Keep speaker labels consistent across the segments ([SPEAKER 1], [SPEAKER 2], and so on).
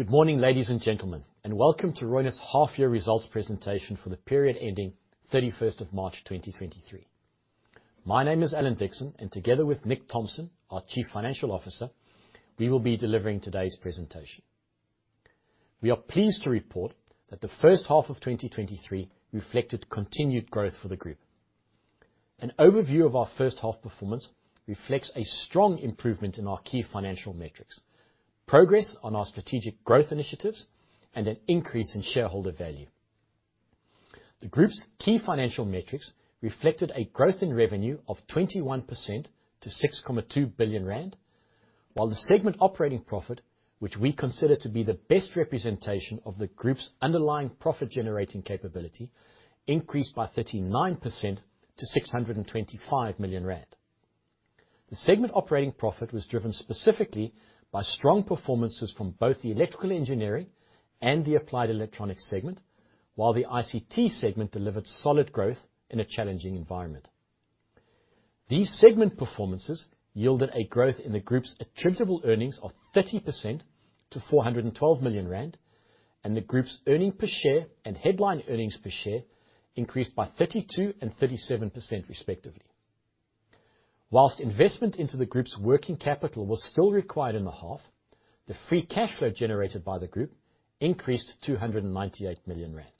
[SPEAKER 1] Good morning, ladies and gentlemen, and welcome to Reunert's half-year results presentation for the period ending 31st of March, 2023. My name is Alan Dickson, and together with Nick Thomson, our Chief Financial Officer, we will be delivering today's presentation. We are pleased to report that the H1 of 2023 reflected continued growth for the Group. An overview of our H1 performance reflects a strong improvement in our key financial metrics, progress on our strategic growth initiatives, and an increase in shareholder value. The Group's key financial metrics reflected a growth in revenue of 21% to 6.2 billion rand, while the segment operating profit, which we consider to be the best representation of the Group's underlying profit-generating capability, increased by 39% to 625 million rand. The segment operating profit was driven specifically by strong performances from both the Electrical Engineering and the Applied Electronics segment, while the ICT segment delivered solid growth in a challenging environment. These segment performances yielded a growth in the Group's attributable earnings of 30% to 412 million rand, and the Group's earnings per share and headline earnings per share increased by 32 and 37%, respectively. Whilst investment into the Group's working capital was still required in the half, the free cash flow generated by the Group increased 298 million rand.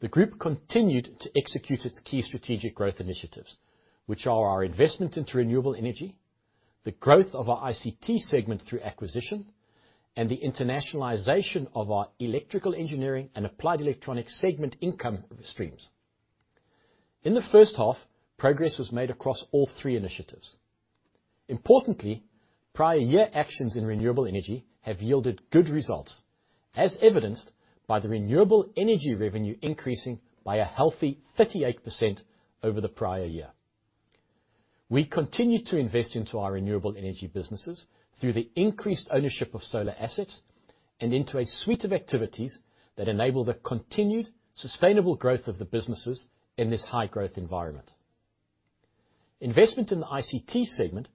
[SPEAKER 1] The Group continued to execute its key strategic growth initiatives, which are our investment into renewable energy, the growth of our ICT segment through acquisition, and the internationalization of its Electrical Engineering and Applied Electronics segment income streams. In the H1, progress was made across all three initiatives. Importantly, prior year actions in renewable energy have yielded good results, as evidenced by the renewable energy revenue increasing by a healthy 38% over the prior year. We continue to invest into our renewable energy businesses through the increased ownership of solar assets and into a suite of activities that enable the continued sustainable growth of the businesses in this high-growth environment. Investment in the ICT segment,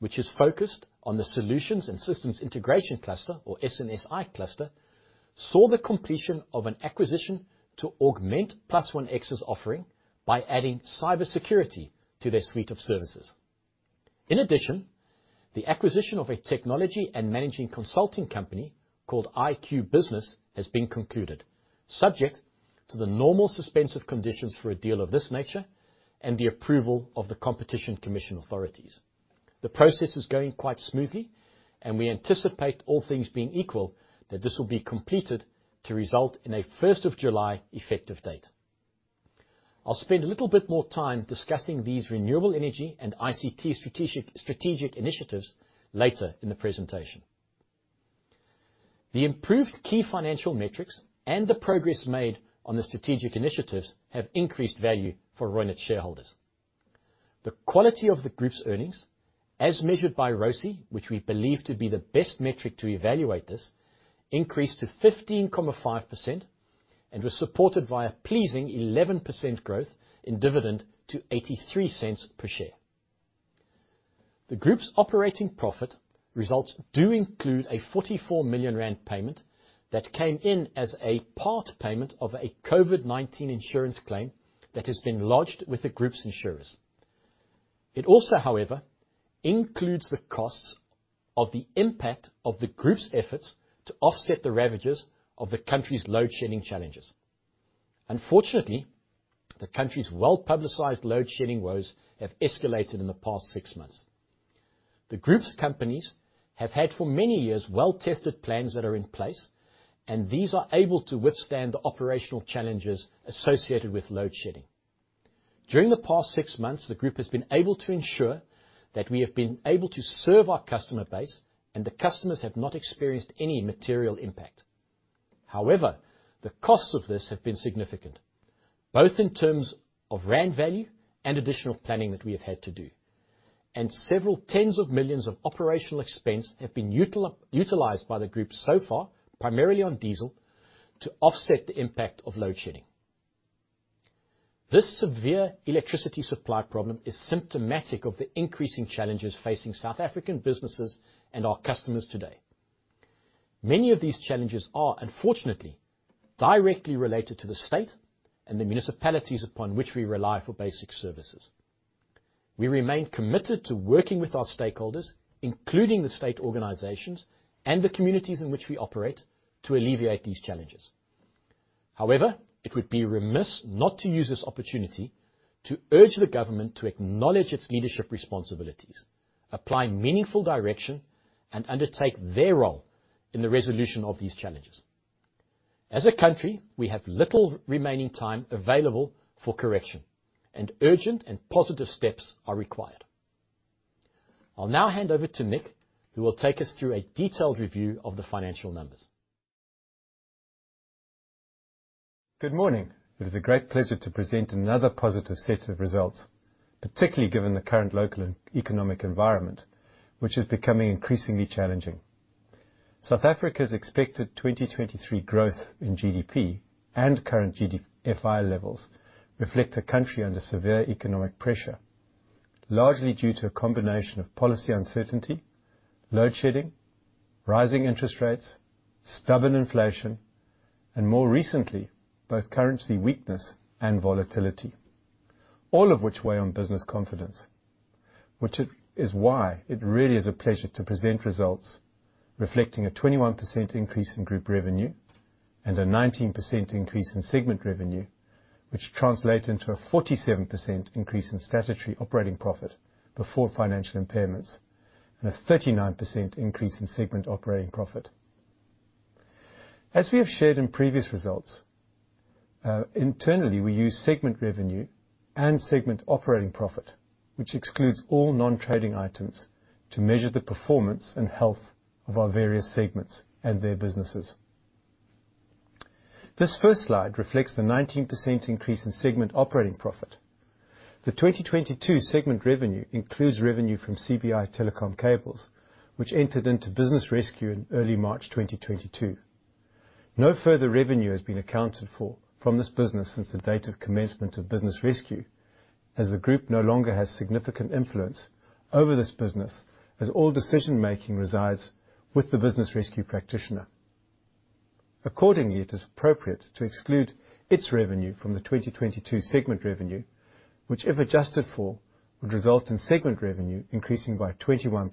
[SPEAKER 1] which is focused on the Solutions and Systems Integration cluster or S&SI cluster, saw the completion of an acquisition to augment PlusOneX's offering by adding cybersecurity to their suite of services. In addition, the acquisition of a technology and management consulting company called IQbusiness has been concluded, subject to the normal suspensive conditions for a deal of this nature and the approval of the Competition Commission authorities. The process is going quite smoothly, and we anticipate, all things being equal, that this will be completed to result in a 1st of July effective date. I'll spend a little bit more time discussing these renewable energy and ICT strategic initiatives later in the presentation. The improved key financial metrics and the progress made on the strategic initiatives have increased value for Reunert shareholders. The quality of the Group's earnings, as measured by ROCE, which we believe to be the best metric to evaluate this, increased to 15.5% and was supported by a pleasing 11% growth in dividend to 0.83 per share. The Group's operating profit results do include a 44 million rand payment that came in as a part payment of a COVID-19 insurance claim that has been lodged with the Group's insurers. It also, however, includes the costs of the impact of the Group's efforts to offset the ravages of the country's load-shedding challenges. Unfortunately, the country's well-publicized load-shedding woes have escalated in the past six months. The Group's companies have had, for many years, well-tested plans that are in place, and these are able to withstand the operational challenges associated with load-shedding. During the past 6 months, the Group has been able to ensure that we have been able to serve our customer base, and the customers have not experienced any material impact. However, the costs of this have been significant, both in terms of ZAR value and additional planning that we have had to do, and several ZAR tens of millions of operational expense have been utilized by the Group so far, primarily on diesel, to offset the impact of load-shedding. This severe electricity supply problem is symptomatic of the increasing challenges facing South African businesses and our customers today. Many of these challenges are, unfortunately, directly related to the state and the municipalities upon which we rely for basic services. We remain committed to working with our stakeholders, including the state organizations and the communities in which we operate, to alleviate these challenges. However, it would be remiss not to use this opportunity to urge the government to acknowledge its leadership responsibilities, apply meaningful direction, and undertake their role in the resolution of these challenges. As a country, we have little remaining time available for correction, and urgent and positive steps are required. I'll now hand over to Nick, who will take us through a detailed review of the financial numbers.
[SPEAKER 2] Good morning. It is a great pleasure to present another positive set of results, particularly given the current local and economic environment, which is becoming increasingly challenging. South Africa's expected 2023 growth in GDP and current GDFI levels reflect a country under severe economic pressure. largely due to a combination of policy uncertainty, load shedding, rising interest rates, stubborn inflation, and more recently, both currency weakness and volatility, all of which weigh on business confidence. Which is why it really is a pleasure to present results reflecting a 21% increase in group revenue and a 19% increase in segment revenue, which translate into a 47% increase in statutory operating profit before financial impairments, and a 39% increase in segment operating profit. As we have shared in previous results, internally, we use segment revenue and segment operating profit, which excludes all non-trading items, to measure the performance and health of our various segments and their businesses. This first slide reflects the 19% increase in segment operating profit. The 2022 segment revenue includes revenue from CBI Telecom Cables, which entered into business rescue in early March 2022. No further revenue has been accounted for from this business since the date of commencement of business rescue, as the group no longer has significant influence over this business, as all decision-making resides with the business rescue practitioner. Accordingly, it is appropriate to exclude its revenue from the 2022 segment revenue, which, if adjusted for, would result in segment revenue increasing by 21%,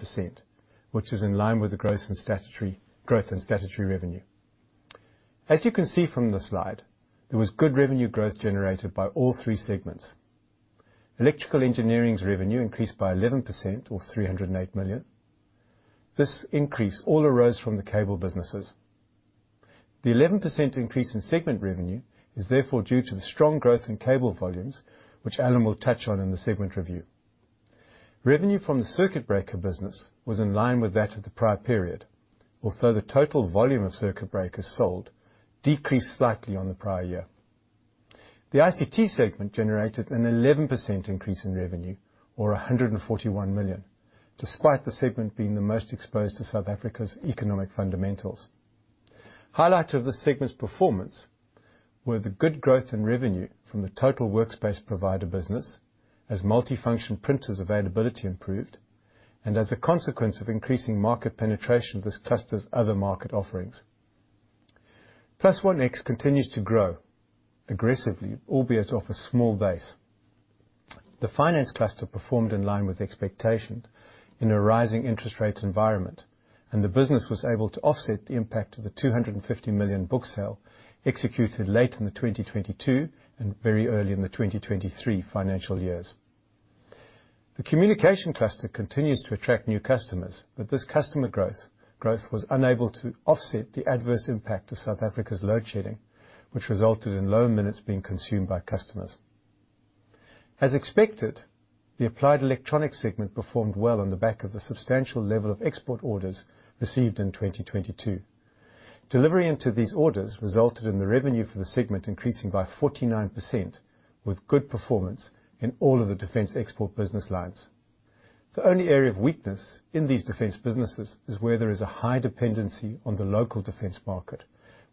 [SPEAKER 2] which is in line with the growth in statutory revenue. As you can see from the slide, there was good revenue growth generated by all three segments. Electrical Engineering's revenue increased by 11%, or 308 million. This increase all arose from the cable businesses. The 11% increase in segment revenue is therefore due to the strong growth in cable volumes, which Alan will touch on in the segment review. Revenue from the circuit breaker business was in line with that of the prior period, although the total volume of circuit breakers sold decreased slightly on the prior year. The ICT segment generated an 11% increase in revenue, or 141 million, despite the segment being the most exposed to South Africa's economic fundamentals. Highlight of this segment's performance were the good growth in revenue from the total workspace provider business, as multifunction printers availability improved, and as a consequence of increasing market penetration, this cluster's other market offerings. PlusOneX continues to grow aggressively, albeit off a small base. The finance cluster performed in line with expectations in a rising interest rate environment, and the business was able to offset the impact of the 250 million book sale executed late in the 2022 and very early in the 2023 financial years. The communication cluster continues to attract new customers, but this customer growth was unable to offset the adverse impact of South Africa's load shedding, which resulted in low minutes being consumed by customers. As expected, the Applied Electronics segment performed well on the back of the substantial level of export orders received in 2022. Delivery into these orders resulted in the revenue for the segment increasing by 49%, with good performance in all of the defense export business lines. The only area of weakness in these defense businesses is where there is a high dependency on the local defense market,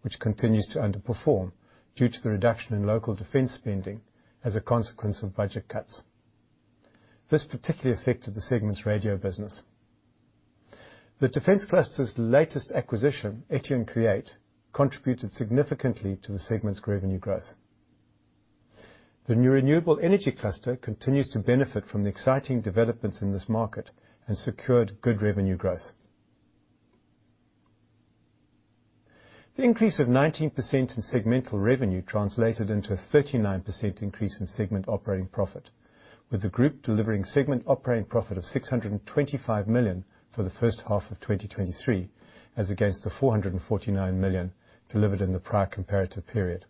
[SPEAKER 2] which continues to underperform due to the reduction in local defense spending as a consequence of budget cuts. This particularly affected the segment's radio business. The defense cluster's latest acquisition, Etion Create, contributed significantly to the segment's revenue growth. The new renewable energy cluster continues to benefit from the exciting developments in this market and secured good revenue growth. The increase of 19% in segmental revenue translated into a 39% increase in segment operating profit, with the group delivering segment operating profit of 625 million for the H1 of 2023, as against the 449 million delivered in the prior comparative period.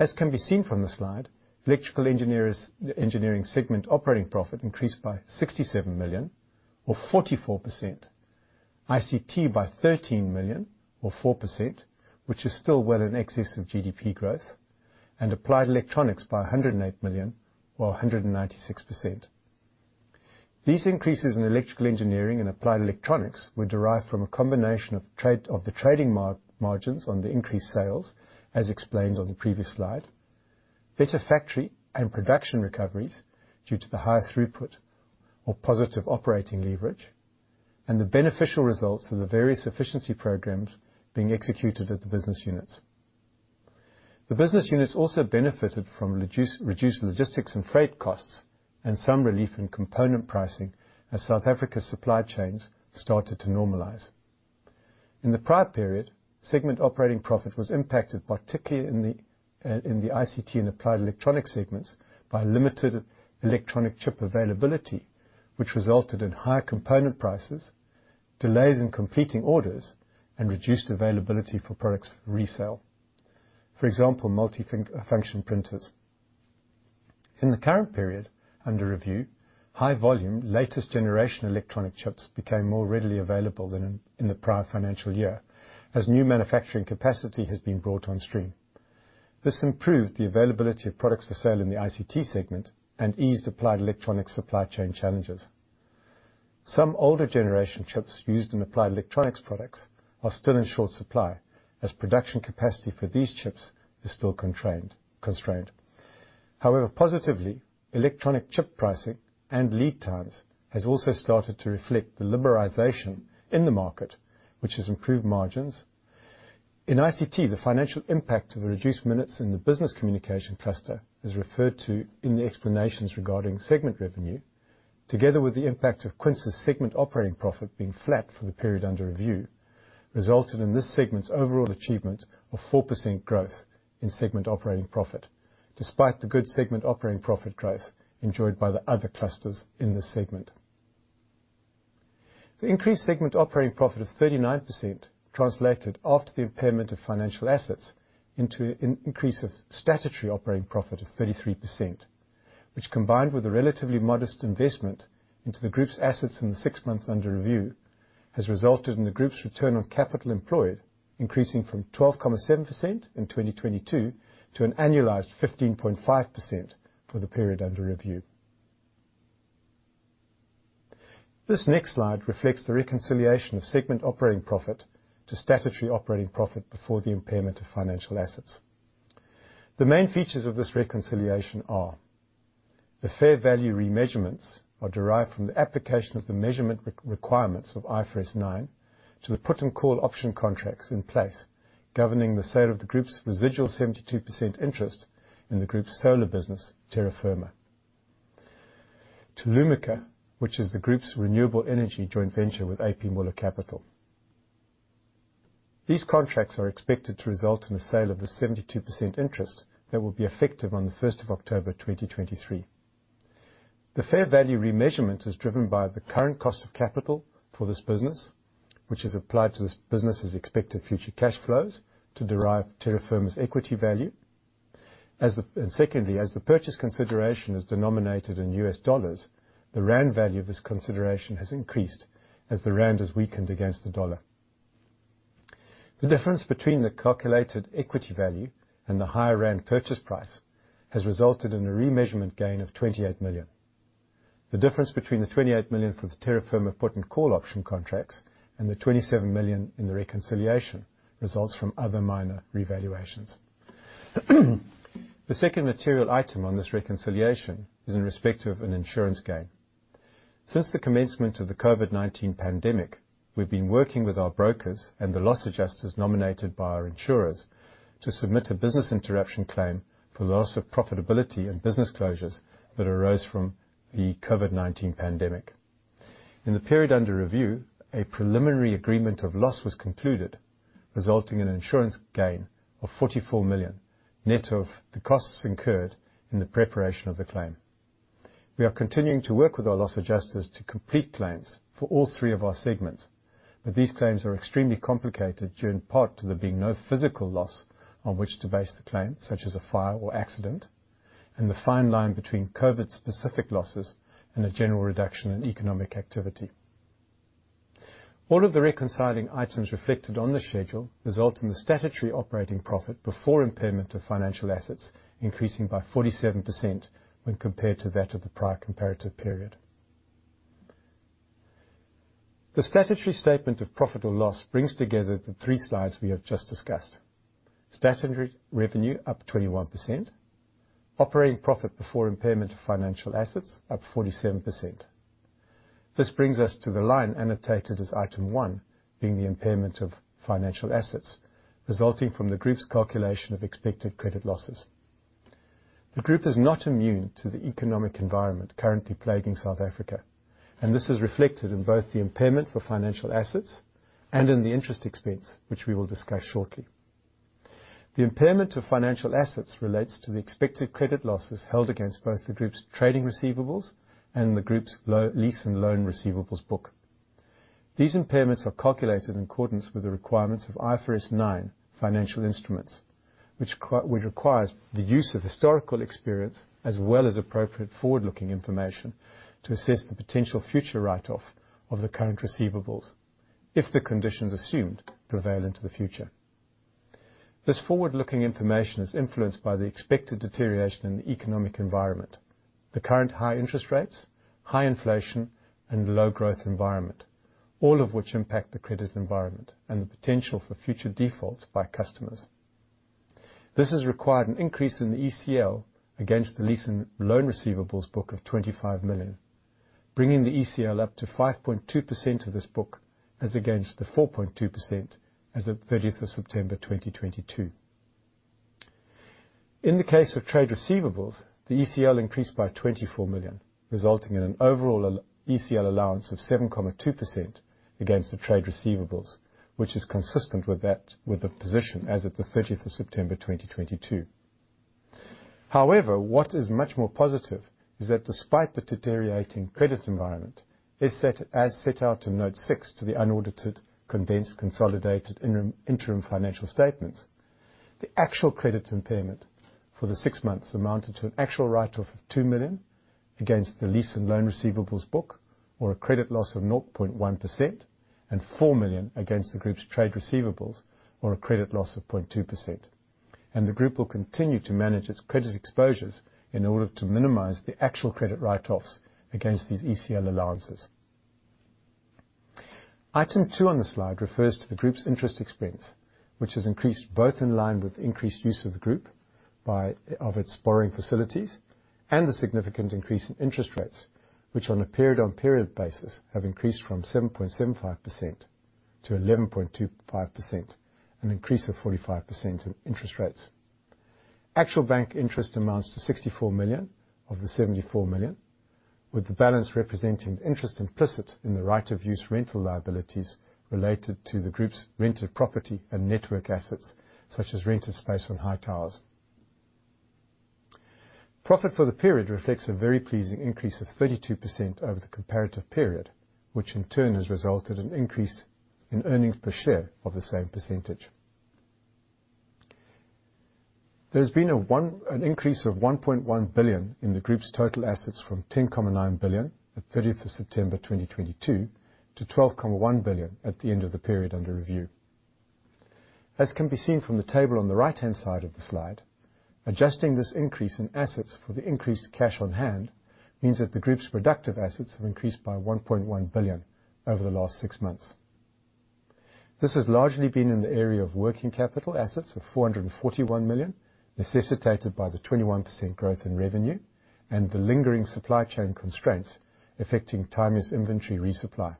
[SPEAKER 2] As can be seen from the slide, Electrical Engineering segment operating profit increased by 67 million, or 44%. ICT by 13 million or 4%, which is still well in excess of GDP growth, and Applied Electronics by 108 million or 196%. These increases in Electrical Engineering and Applied Electronics were derived from a combination of the trading margins on the increased sales, as explained on the previous slide, better factory and production recoveries due to the higher throughput or positive operating leverage, and the beneficial results of the various efficiency programs being executed at the business units. The business units also benefited from reduced logistics and freight costs and some relief in component pricing as South Africa's supply chains started to normalize. In the prior period, segment operating profit was impacted, particularly in the in the ICT and Applied Electronics segments, by limited electronic chip availability, which resulted in higher component prices, delays in completing orders, and reduced availability for products resale. For example, multi-function printers. In the current period under review, high volume, latest generation electronic chips became more readily available than in the prior financial year as new manufacturing capacity has been brought on stream. This improved the availability of products for sale in the ICT segment and eased applied electronic supply chain challenges. Some older generation chips used in Applied Electronics products are still in short supply, as production capacity for these chips is still constrained. Positively, electronic chip pricing and lead times has also started to reflect the liberalization in the market, which has improved margins. In ICT, the financial impact of the reduced minutes in the business communication cluster is referred to in the explanations regarding segment revenue, together with the impact of Quince's segment operating profit being flat for the period under review, resulted in this segment's overall achievement of 4% growth in segment operating profit, despite the good segment operating profit growth enjoyed by the other clusters in this segment. The increased segment operating profit of 39% translated after the impairment of financial assets into an increase of statutory operating profit of 33%, which, combined with a relatively modest investment into the group's assets in the 6 months under review, has resulted in the group's return on capital employed increasing from 12.7% in 2022 to an annualized 15.5% for the period under review. This next slide reflects the reconciliation of segment operating profit to statutory operating profit before the impairment of financial assets. The main features of this reconciliation are: the fair value remeasurements are derived from the application of the measurement re-requirements of IFRS 9 to the put and call option contracts in place, governing the sale of the group's residual 72% interest in the group's solar business, Terra Firma. To Lumika, which is the group's renewable energy joint venture with A.P. Møller Capital. These contracts are expected to result in a sale of the 72% interest that will be effective on the 1st of October 2023. The fair value remeasurement is driven by the current cost of capital for this business, which is applied to this business's expected future cash flows to derive Terra Firma's equity value. As the... Secondly, as the purchase consideration is denominated in U.S. dollars, the rand value of this consideration has increased, as the rand has weakened against the dollar. The difference between the calculated equity value and the higher rand purchase price has resulted in a remeasurement gain of 28 million. The difference between the 28 million for the Terra Firma put and call option contracts and the 27 million in the reconciliation, results from other minor revaluations. The second material item on this reconciliation is in respect of an insurance gain. Since the commencement of the COVID-19 pandemic, we've been working with our brokers and the loss adjusters nominated by our insurers to submit a business interruption claim for loss of profitability and business closures that arose from the COVID-19 pandemic. In the period under review, a preliminary agreement of loss was concluded, resulting in an insurance gain of 44 million, net of the costs incurred in the preparation of the claim. We are continuing to work with our loss adjusters to complete claims for all 3 of our segments. These claims are extremely complicated, due in part to there being no physical loss on which to base the claim, such as a fire or accident, and the fine line between COVID-specific losses and a general reduction in economic activity. All of the reconciling items reflected on the schedule result in the statutory operating profit before impairment of financial assets increasing by 47% when compared to that of the prior comparative period. The statutory statement of profit or loss brings together the 3 slides we have just discussed. Statutory revenue, up 21%. Operating profit before impairment of financial assets, up 47%. This brings us to the line annotated as item one, being the impairment of financial assets, resulting from the group's calculation of expected credit losses. This is reflected in both the impairment for financial assets and in the interest expense, which we will discuss shortly. The impairment of financial assets relates to the expected credit losses held against both the group's trading receivables and the group's lease and loan receivables book. These impairments are calculated in accordance with the requirements of IFRS 9, Financial Instruments, which requires the use of historical experience as well as appropriate forward-looking information, to assess the potential future write-off of the current receivables, if the conditions assumed prevail into the future. This forward-looking information is influenced by the expected deterioration in the economic environment, the current high interest rates, high inflation, and low growth environment, all of which impact the credit environment and the potential for future defaults by customers. This has required an increase in the ECL against the lease and loan receivables book of 25 million, bringing the ECL up to 5.2% of this book, as against the 4.2% as at 30th of September 2022. In the case of trade receivables, the ECL increased by 24 million, resulting in an overall ECL allowance of 7.2% against the trade receivables, which is consistent with the position as of the 30th of September 2022. What is much more positive is that despite the deteriorating credit environment, as set out in note 6 to the unaudited, condensed, consolidated, interim financial statements, the actual credit impairment for the six months amounted to an actual write-off of 2 million against the lease and loan receivables book, or a credit loss of 0.1%, and 4 million against the group's trade receivables, or a credit loss of 0.2%. The group will continue to manage its credit exposures in order to minimize the actual credit write-offs against these ECL allowances. Item two on the slide refers to the group's interest expense, which has increased both in line with increased use of its borrowing facilities, and a significant increase in interest rates, which on a period-on-period basis, have increased from 7.75% to 11.25%, an increase of 45% in interest rates. Actual bank interest amounts to 64 million of the 74 million, with the balance representing interest implicit in the right of use rental liabilities related to the group's rented property and network assets, such as rented space on high towers. Profit for the period reflects a very pleasing increase of 32% over the comparative period, which in turn has resulted in increase in earnings per share of the same percentage. There's been an increase of 1.1 billion in the group's total assets from 10.9 billion at 30th of September 2022, to 12.1 billion at the end of the period under review. As can be seen from the table on the right-hand side of the slide, adjusting this increase in assets for the increased cash on hand, means that the group's productive assets have increased by 1.1 billion over the last six months. This has largely been in the area of working capital assets of 441 million, necessitated by the 21% growth in revenue and the lingering supply chain constraints affecting timeous inventory resupply.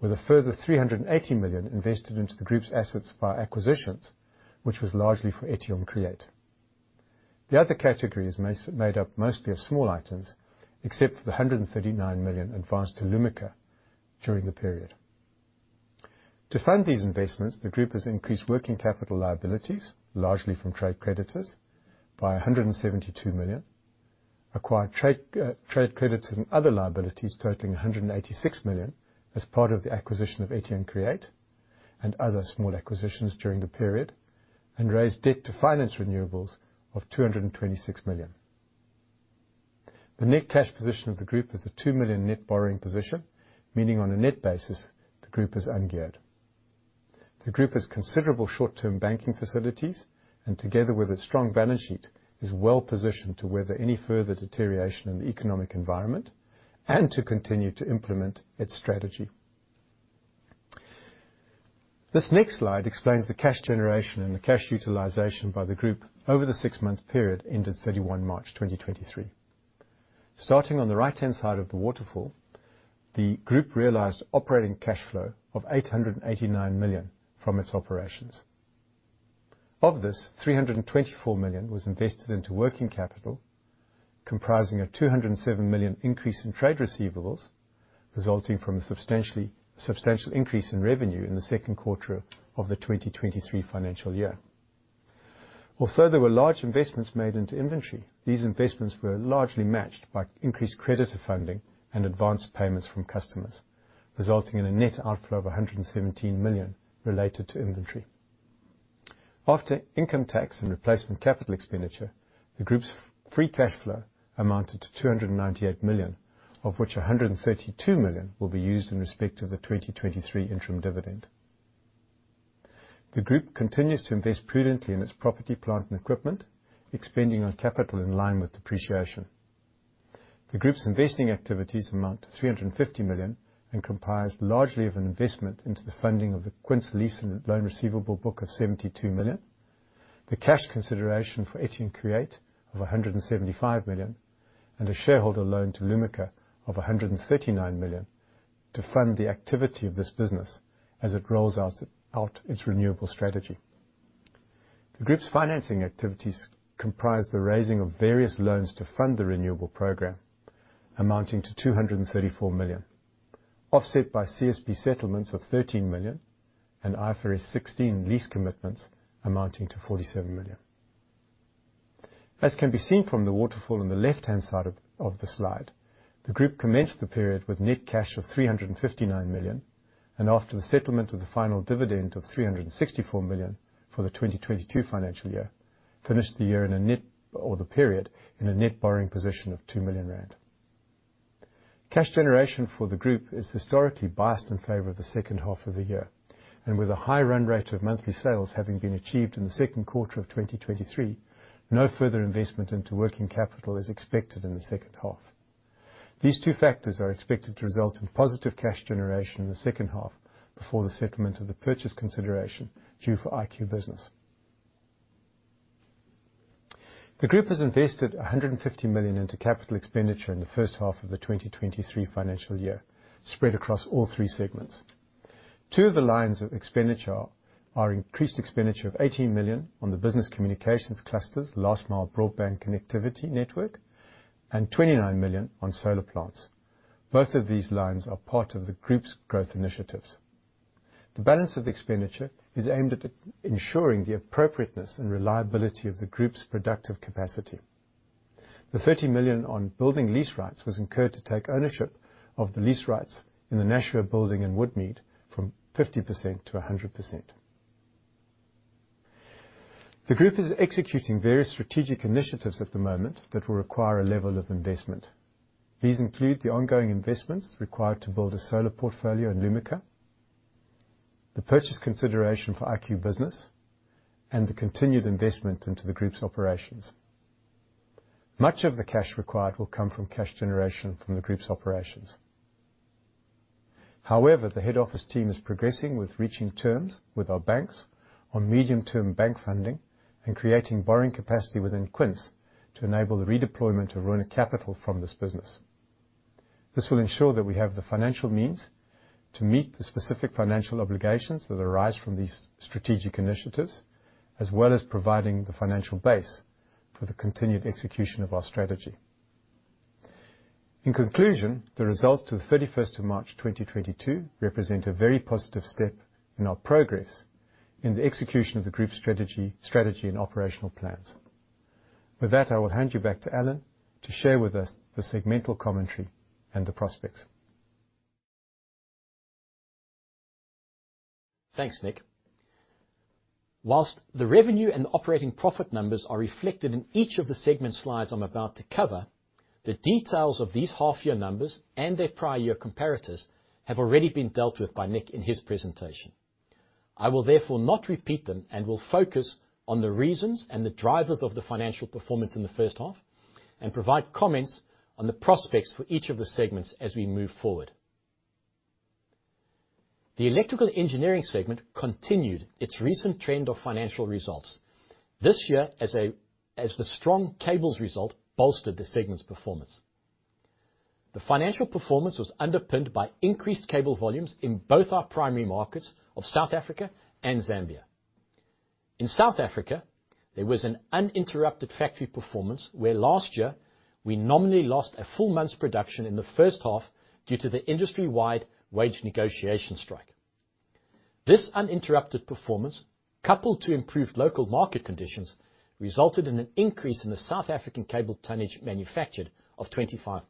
[SPEAKER 2] With a further 380 million invested into the group's assets by acquisitions, which was largely for Etion Create. The other category is made up mostly of small items, except for the 139 million advanced to Lumika during the period. To fund these investments, the group has increased working capital liabilities, largely from trade creditors, by 172 million, acquired trade creditors and other liabilities totaling 186 million as part of the acquisition of Etion Create and other small acquisitions during the period, and raised debt to finance renewables of 226 million. The net cash position of the group is a 2 million net borrowing position, meaning on a net basis, the group is ungeared. The group has considerable short-term banking facilities, and together with a strong balance sheet, is well-positioned to weather any further deterioration in the economic environment, and to continue to implement its strategy. This next slide explains the cash generation and the cash utilization by the group over the six-month period ended 31 March 2023. Starting on the right-hand side of the waterfall, the group realized operating cash flow of 889 million from its operations. Of this, 324 million was invested into working capital, comprising a 207 million increase in trade receivables, resulting from a substantial increase in revenue in the Q2 of the 2023 financial year. There were large investments made into inventory, these investments were largely matched by increased creditor funding and advanced payments from customers, resulting in a net outflow of 117 million related to inventory. After income tax and replacement capital expenditure, the group's free cash flow amounted to 298 million, of which 132 million will be used in respect to the 2023 interim dividend. The group continues to invest prudently in its property, plant, and equipment, expanding on capital in line with depreciation. The group's investing activities amount to 350 million, and comprise largely of an investment into the funding of the Quince lease and loan receivable book of 72 million, the cash consideration for Etion Create of 175 million, and a shareholder loan to Lumika of 139 million to fund the activity of this business as it rolls out its renewable strategy. The group's financing activities comprise the raising of various loans to fund the renewable program, amounting to 234 million, offset by CSP settlements of 13 million and IFRS 16 lease commitments amounting to 47 million. As can be seen from the waterfall on the left-hand side of the slide, the group commenced the period with net cash of 359 million, and after the settlement of the final dividend of 364 million for the 2022 financial year, finished the period in a net borrowing position of 2 million rand. Cash generation for the group is historically biased in favor of the H2 of the year. With a high run rate of monthly sales having been achieved in the 2Q 2023, no further investment into working capital is expected in the H2. These two factors are expected to result in positive cash generation in the H2, before the settlement of the purchase consideration due for IQbusiness. The group has invested 150 million into capital expenditure in the H1 of the 2023 financial year, spread across all three segments. Two of the lines of expenditure are increased expenditure of 18 million on the business communications cluster's last mile broadband connectivity network, and 29 million on solar plants. Both of these lines are part of the group's growth initiatives. The balance of the expenditure is aimed at ensuring the appropriateness and reliability of the Group's productive capacity. The 30 million on building lease rights was incurred to take ownership of the lease rights in the Nashua building in Woodmead from 50% to 100%. The Group is executing various strategic initiatives at the moment that will require a level of investment. These include the ongoing investments required to build a solar portfolio in Lumika, the purchase consideration for IQbusiness, and the continued investment into the Group's operations. Much of the cash required will come from cash generation from the Group's operations. The head office team is progressing with reaching terms with our banks on medium-term bank funding and creating borrowing capacity within Quince to enable the redeployment of Reunert capital from this business. This will ensure that we have the financial means to meet the specific financial obligations that arise from these strategic initiatives, as well as providing the financial base for the continued execution of our strategy. In conclusion, the results to the 31st of March, 2022, represent a very positive step in our progress in the execution of the Group's strategy and operational plans. With that, I will hand you back to Alan to share with us the segmental commentary and the prospects.
[SPEAKER 1] Thanks, Nick. Whilst the revenue and operating profit numbers are reflected in each of the segment slides I'm about to cover, the details of these half-year numbers and their prior year comparators have already been dealt with by Nick in his presentation. I will therefore not repeat them and will focus on the reasons and the drivers of the financial performance in the H1, and provide comments on the prospects for each of the segments as we move forward. The electrical engineering segment continued its recent trend of financial results. This year, as the strong cables result bolstered the segment's performance. The financial performance was underpinned by increased cable volumes in both our primary markets of South Africa and Zambia. In South Africa, there was an uninterrupted factory performance, where last year we nominally lost a full month's production in the H1 due to the industry-wide wage negotiation strike. This uninterrupted performance, coupled to improved local market conditions, resulted in an increase in the South African cable tonnage manufactured of 25%.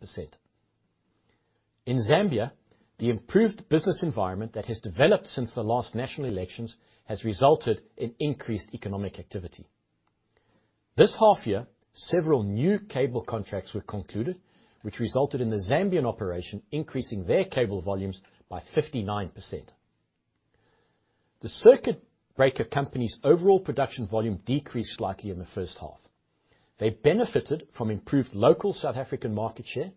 [SPEAKER 1] In Zambia, the improved business environment that has developed since the last national elections has resulted in increased economic activity. This half year, several new cable contracts were concluded, which resulted in the Zambian operation increasing their cable volumes by 59%. The Circuit Breaker company's overall production volume decreased slightly in the H1. They benefited from improved local South African market share,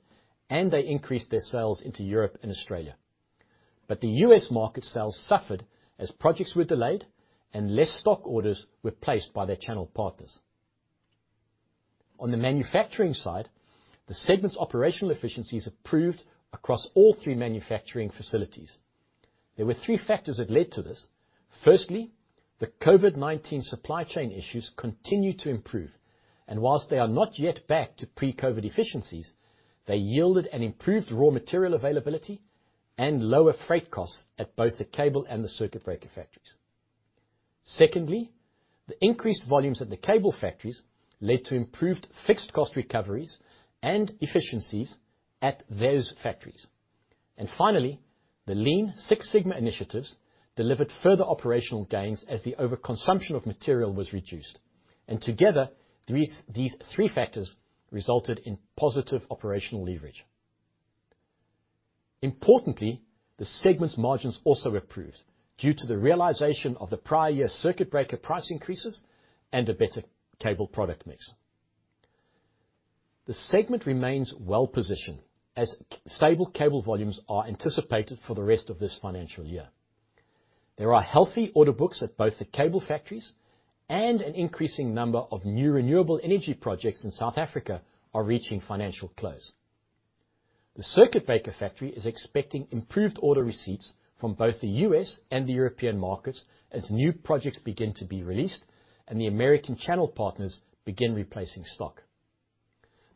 [SPEAKER 1] and they increased their sales into Europe and Australia. The U.S. market sales suffered as projects were delayed and less stock orders were placed by their channel partners. On the manufacturing side, the segment's operational efficiencies improved across all three manufacturing facilities. There were three factors that led to this. Firstly, the COVID-19 supply chain issues continued to improve, and whilst they are not yet back to pre-COVID efficiencies, they yielded an improved raw material availability and lower freight costs at both the cable and the circuit breaker factories. Secondly, the increased volumes at the cable factories led to improved fixed cost recoveries and efficiencies at those factories. Finally, the Lean Six Sigma initiatives delivered further operational gains as the overconsumption of material was reduced. Together, these three factors resulted in positive operational leverage. Importantly, the segment's margins also improved due to the realization of the prior year circuit breaker price increases and a better cable product mix. The segment remains well-positioned, as stable cable volumes are anticipated for the rest of this financial year. There are healthy order books at both the cable factories, and an increasing number of new renewable energy projects in South Africa are reaching financial close. The circuit breaker factory is expecting improved order receipts from both the U.S. and the European markets as new projects begin to be released and the American channel partners begin replacing stock.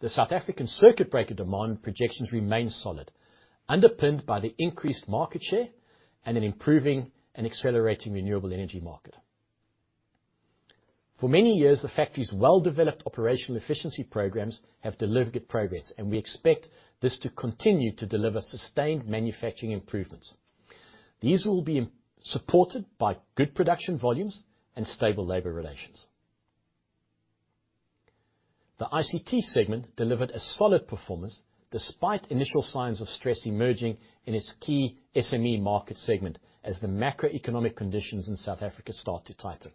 [SPEAKER 1] The South African circuit breaker demand projections remain solid, underpinned by the increased market share and an improving and accelerating renewable energy market. For many years, the factory's well-developed operational efficiency programs have delivered progress, and we expect this to continue to deliver sustained manufacturing improvements. These will be supported by good production volumes and stable labor relations. The ICT segment delivered a solid performance despite initial signs of stress emerging in its key SME market segment as the macroeconomic conditions in South Africa start to tighten.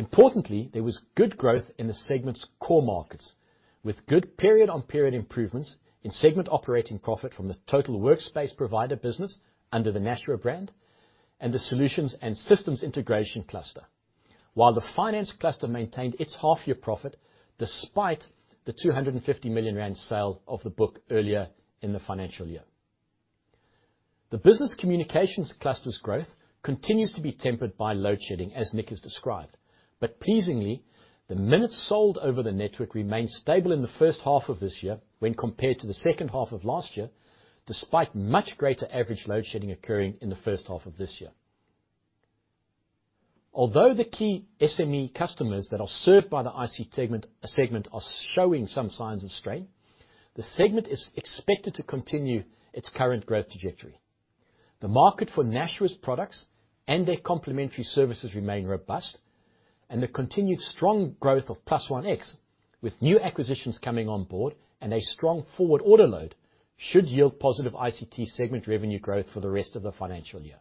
[SPEAKER 1] Importantly, there was good growth in the segment's core markets, with good period-on-period improvements in segment operating profit from the total workspace provider business under the Nashua brand and the Solutions and Systems Integration cluster. The finance cluster maintained its half-year profit despite the 250 million rand sale of the book earlier in the financial year. The business communications cluster's growth continues to be tempered by load shedding, as Nick has described. Pleasingly, the minutes sold over the network remained stable in the H1 of this year when compared to the H2 of last year, despite much greater average load shedding occurring in the H1 of this year. Although the key SME customers that are served by the ICT segment are showing some signs of strain, the segment is expected to continue its current growth trajectory. The market for Nashua's products and their complementary services remain robust, and the continued strong growth of PlusOneX, with new acquisitions coming on board and a strong forward order load, should yield positive ICT segment revenue growth for the rest of the financial year.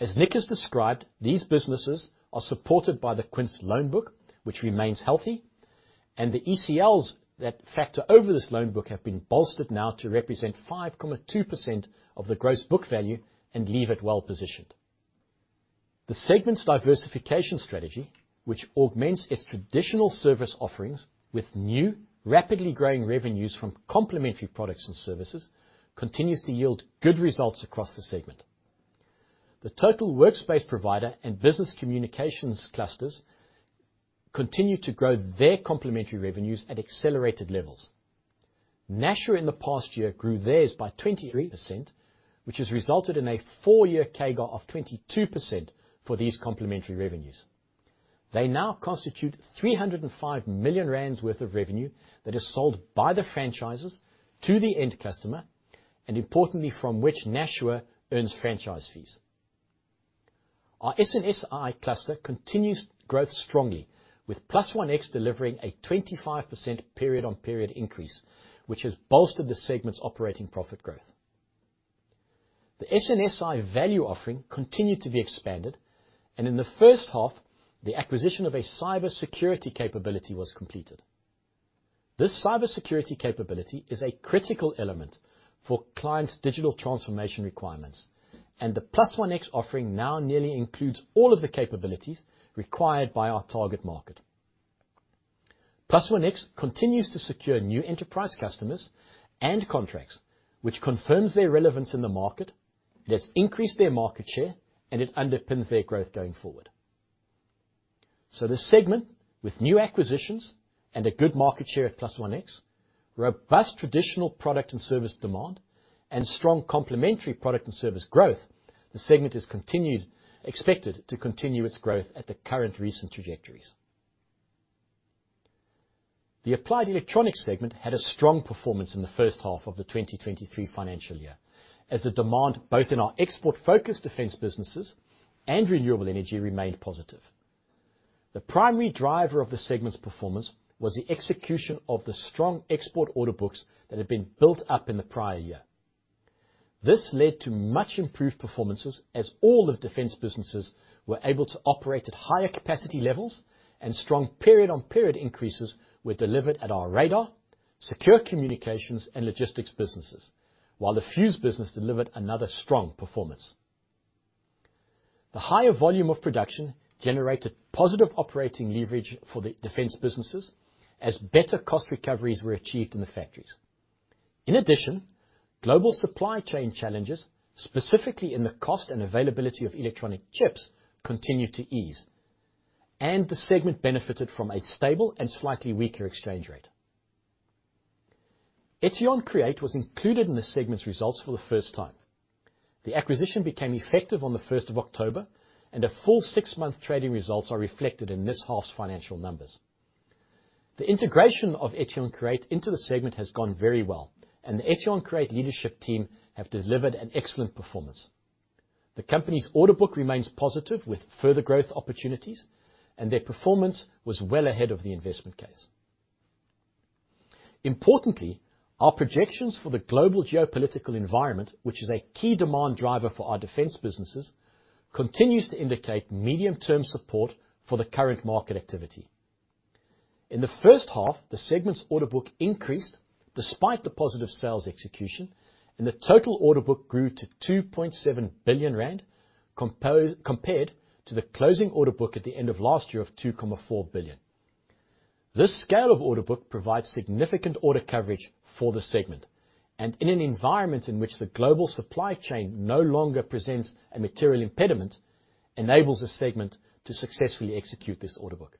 [SPEAKER 1] As Nick has described, these businesses are supported by the Quince loan book, which remains healthy, and the ECLs that factor over this loan book have been bolstered now to represent 5.2% of the gross book value and leave it well-positioned. The segment's diversification strategy, which augments its traditional service offerings with new, rapidly growing revenues from complementary products and services, continues to yield good results across the segment. The total workspace provider and business communications clusters continue to grow their complementary revenues at accelerated levels. Nashua, in the past year, grew theirs by 23%, which has resulted in a 4-year CAGR of 22% for these complementary revenues. They now constitute 305 million rand worth of revenue that is sold by the franchises to the end customer, and importantly, from which Nashua earns franchise fees. Our S&SI cluster continues growth strongly, with PlusOneX delivering a 25% period-on-period increase, which has bolstered the segment's operating profit growth. The S&SI value offering continued to be expanded, and in the H1, the acquisition of a cybersecurity capability was completed. This cybersecurity capability is a critical element for clients' digital transformation requirements, and the PlusOneX offering now nearly includes all of the capabilities required by our target market. PlusOneX continues to secure new enterprise customers and contracts, which confirms their relevance in the market, it has increased their market share, and it underpins their growth going forward. The segment, with new acquisitions and a good market share at PlusOneX, robust traditional product and service demand, and strong complementary product and service growth, the segment is expected to continue its growth at the current recent trajectories. The Applied Electronics segment had a strong performance in the H1 of the 2023 financial year, as the demand, both in our export-focused defense businesses and renewable energy, remained positive. The primary driver of the segment's performance was the execution of the strong export order books that had been built up in the prior year. This led to much improved performances, as all of the defense businesses were able to operate at higher capacity levels, and strong period-on-period increases were delivered at our radar, secure communications, and logistics businesses, while the Fuchs business delivered another strong performance. The higher volume of production generated positive operating leverage for the defense businesses as better cost recoveries were achieved in the factories. In addition, global supply chain challenges, specifically in the cost and availability of electronic chips, continued to ease, and the segment benefited from a stable and slightly weaker exchange rate. Etion Create was included in the segment's results for the first time. The acquisition became effective on the first of October, and a full six-month trading results are reflected in this half's financial numbers. The integration of Etion Create into the segment has gone very well. The Etion Create leadership team have delivered an excellent performance. The company's order book remains positive, with further growth opportunities. Their performance was well ahead of the investment case. Importantly, our projections for the global geopolitical environment, which is a key demand driver for our defense businesses, continues to indicate medium-term support for the current market activity. In the H1, the segment's order book increased despite the positive sales execution. The total order book grew to 2.7 billion rand, compared to the closing order book at the end of last year of 2.4 billion. This scale of order book provides significant order coverage for the segment, and in an environment in which the global supply chain no longer presents a material impediment, enables the segment to successfully execute this order book.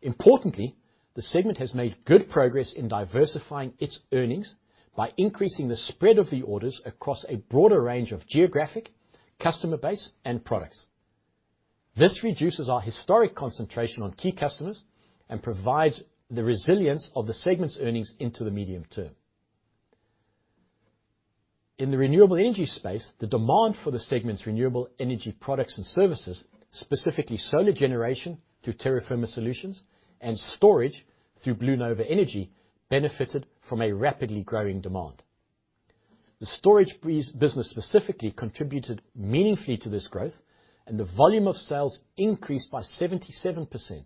[SPEAKER 1] Importantly, the segment has made good progress in diversifying its earnings by increasing the spread of the orders across a broader range of geographic, customer base, and products. This reduces our historic concentration on key customers and provides the resilience of the segment's earnings into the medium term. In the renewable energy space, the demand for the segment's renewable energy products and services, specifically solar generation through Terra Firma Solutions and storage through Blue Nova Energy, benefited from a rapidly growing demand. The storage breeze business specifically contributed meaningfully to this growth, and the volume of sales increased by 77%,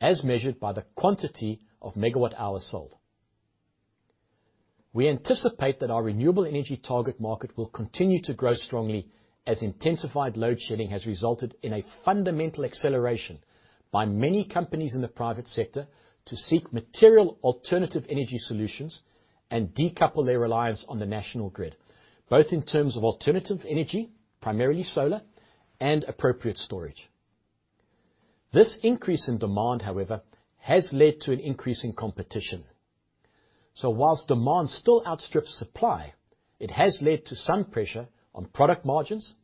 [SPEAKER 1] as measured by the quantity of megawatt hours sold. We anticipate that our renewable energy target market will continue to grow strongly, as intensified load shedding has resulted in a fundamental acceleration by many companies in the private sector to seek material alternative energy solutions and decouple their reliance on the national grid, both in terms of alternative energy, primarily solar, and appropriate storage. This increase in demand, however, has led to an increase in competition. Whilst demand still outstrips supply, it has led to some pressure on product margins,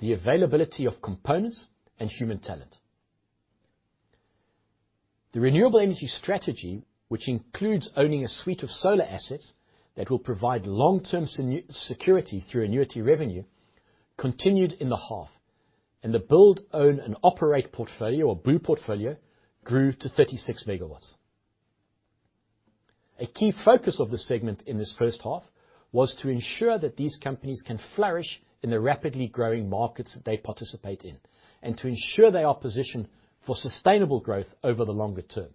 [SPEAKER 1] the availability of components, and human talent. The renewable energy strategy, which includes owning a suite of solar assets that will provide long-term security through annuity revenue, continued in the half, and the build, own, and operate portfolio, or BOO portfolio, grew to 36 megawatts. A key focus of the segment in this H1 was to ensure that these companies can flourish in the rapidly growing markets that they participate in, and to ensure they are positioned for sustainable growth over the longer term.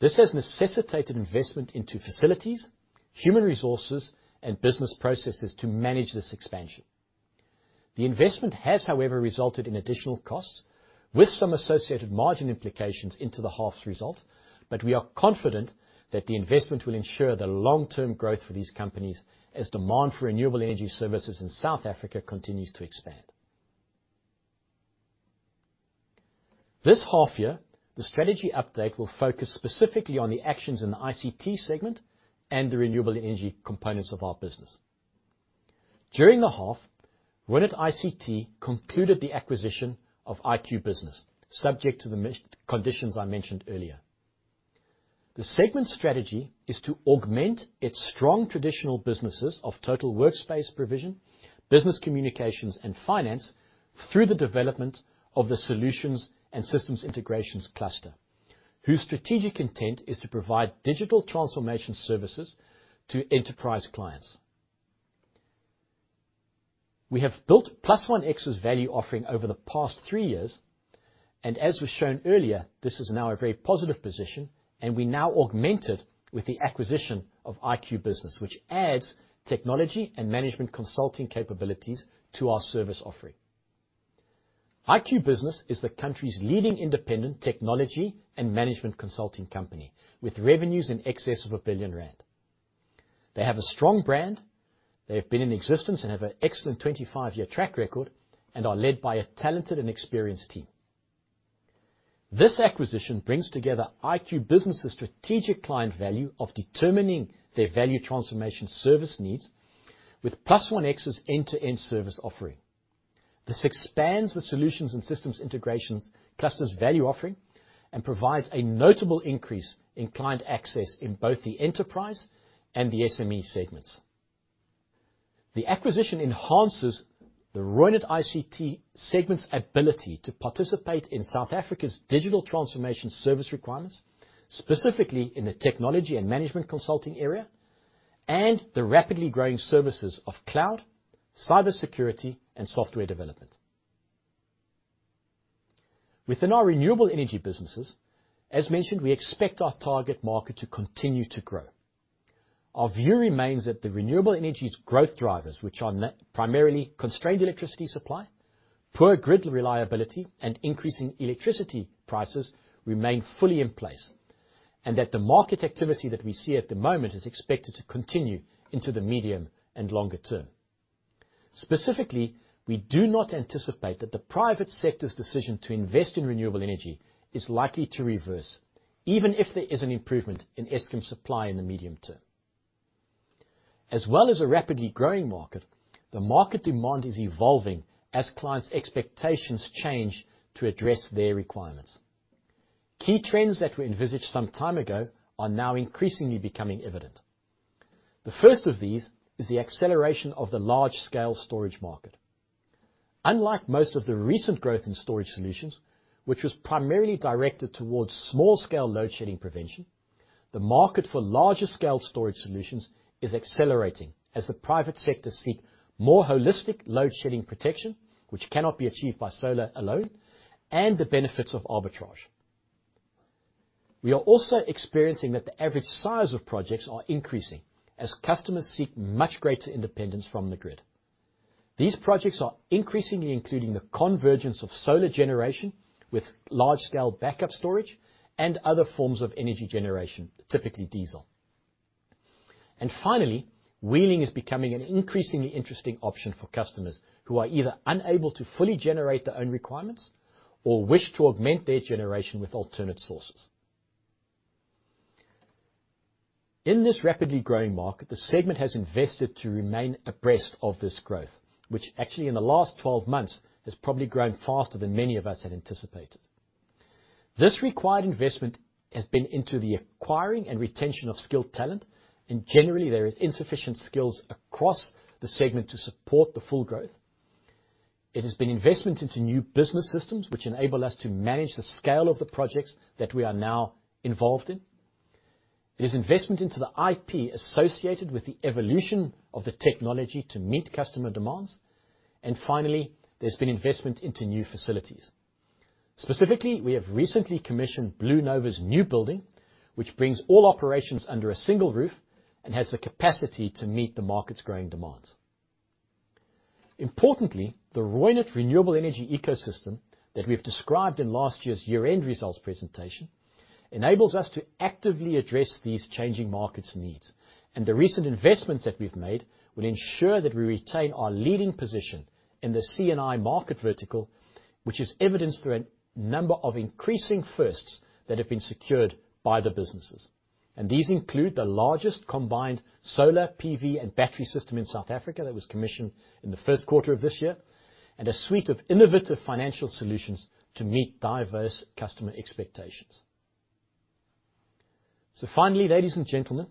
[SPEAKER 1] This has necessitated investment into facilities, human resources, and business processes to manage this expansion. The investment has, however, resulted in additional costs, with some associated margin implications into the half's result, but we are confident that the investment will ensure the long-term growth for these companies as demand for renewable energy services in South Africa continues to expand. This half year, the strategy update will focus specifically on the actions in the ICT segment and the renewable energy components of our business. During the half, Reunert ICT concluded the acquisition of IQbusiness, subject to the conditions I mentioned earlier. The segment's strategy is to augment its strong traditional businesses of total workspace provision, business communications, and finance through the development of the solutions and systems integrations cluster, whose strategic intent is to provide digital transformation services to enterprise clients. We have built PlusOneX's value offering over the past three years. As was shown earlier, this is now a very positive position. We now augment it with the acquisition of IQbusiness, which adds technology and management consulting capabilities to our service offering. IQbusiness is the country's leading independent technology and management consulting company, with revenues in excess of 1 billion rand. They have a strong brand. They have been in existence and have an excellent 25-year track record and are led by a talented and experienced team. This acquisition brings together IQbusiness's strategic client value of determining their value transformation service needs with PlusOneX's end-to-end service offering. This expands the Solutions and Systems Integration cluster's value offering and provides a notable increase in client access in both the enterprise and the SME segments. The acquistion enhances the Reunert ICT segment's ability to participate in South Africa's digital transformation service requirements, specifically in the technology and management consulting area, and the rapidly growing services of cloud, cybersecurity, and software development. Within our renewable energy businesses, as mentioned, we expect our target market to continue to grow. Our view remains that the renewable energy's growth drivers, which are primarily constrained electricity supply, poor grid reliability, and increasing electricity prices, remain fully in place, and that the market activity that we see at the moment is expected to continue into the medium and longer term. Specifically, we do not anticipate that the private sector's decision to invest in renewable energy is likely to reverse, even if there is an improvement in Eskon supply in the medium term. As well as a rapidly growing market, the market demand is evolving as clients' expectations change to address their requirements. Key trends that were envisaged some time ago are now increasingly becoming evident. The first of these is the acceleration of the large-scale storage market. Unlike most of the recent growth in storage solutions, which was primarily directed towards small-scale load shedding prevention, the market for larger-scale storage solutions is accelerating as the private sector seek more holistic load shedding protection, which cannot be achieved by solar alone, and the benefits of arbitrage. We are also experiencing that the average size of projects are increasing as customers seek much greater independence from the grid. These projects are increasingly including the convergence of solar generation with large-scale backup storage and other forms of energy generation, typically diesel. Finally, wheeling is becoming an increasingly interesting option for customers who are either unable to fully generate their own requirements or wish to augment their generation with alternate sources. In this rapidly growing market, the segment has invested to remain abreast of this growth, which actually, in the last 12 months, has probably grown faster than many of us had anticipated. This required investment has been into the acquiring and retention of skilled talent, and generally, there is insufficient skills across the segment to support the full growth. It has been investment into new business systems, which enable us to manage the scale of the projects that we are now involved in. It is investment into the IP associated with the evolution of the technology to meet customer demands. Finally, there's been investment into new facilities. Specifically, we have recently commissioned Blue Nova's new building, which brings all operations under a single roof and has the capacity to meet the market's growing demands. Importantly, the Reunert renewable energy ecosystem that we've described in last year's year-end results presentation enables us to actively address these changing market's needs, and the recent investments that we've made will ensure that we retain our leading position in the C&I market vertical, which is evidenced through a number of increasing firsts that have been secured by the businesses. These include the largest combined solar, PV, and battery system in South Africa that was commissioned in the Q1 of this year, and a suite of innovative financial solutions to meet diverse customer expectations. Finally, ladies and gentlemen,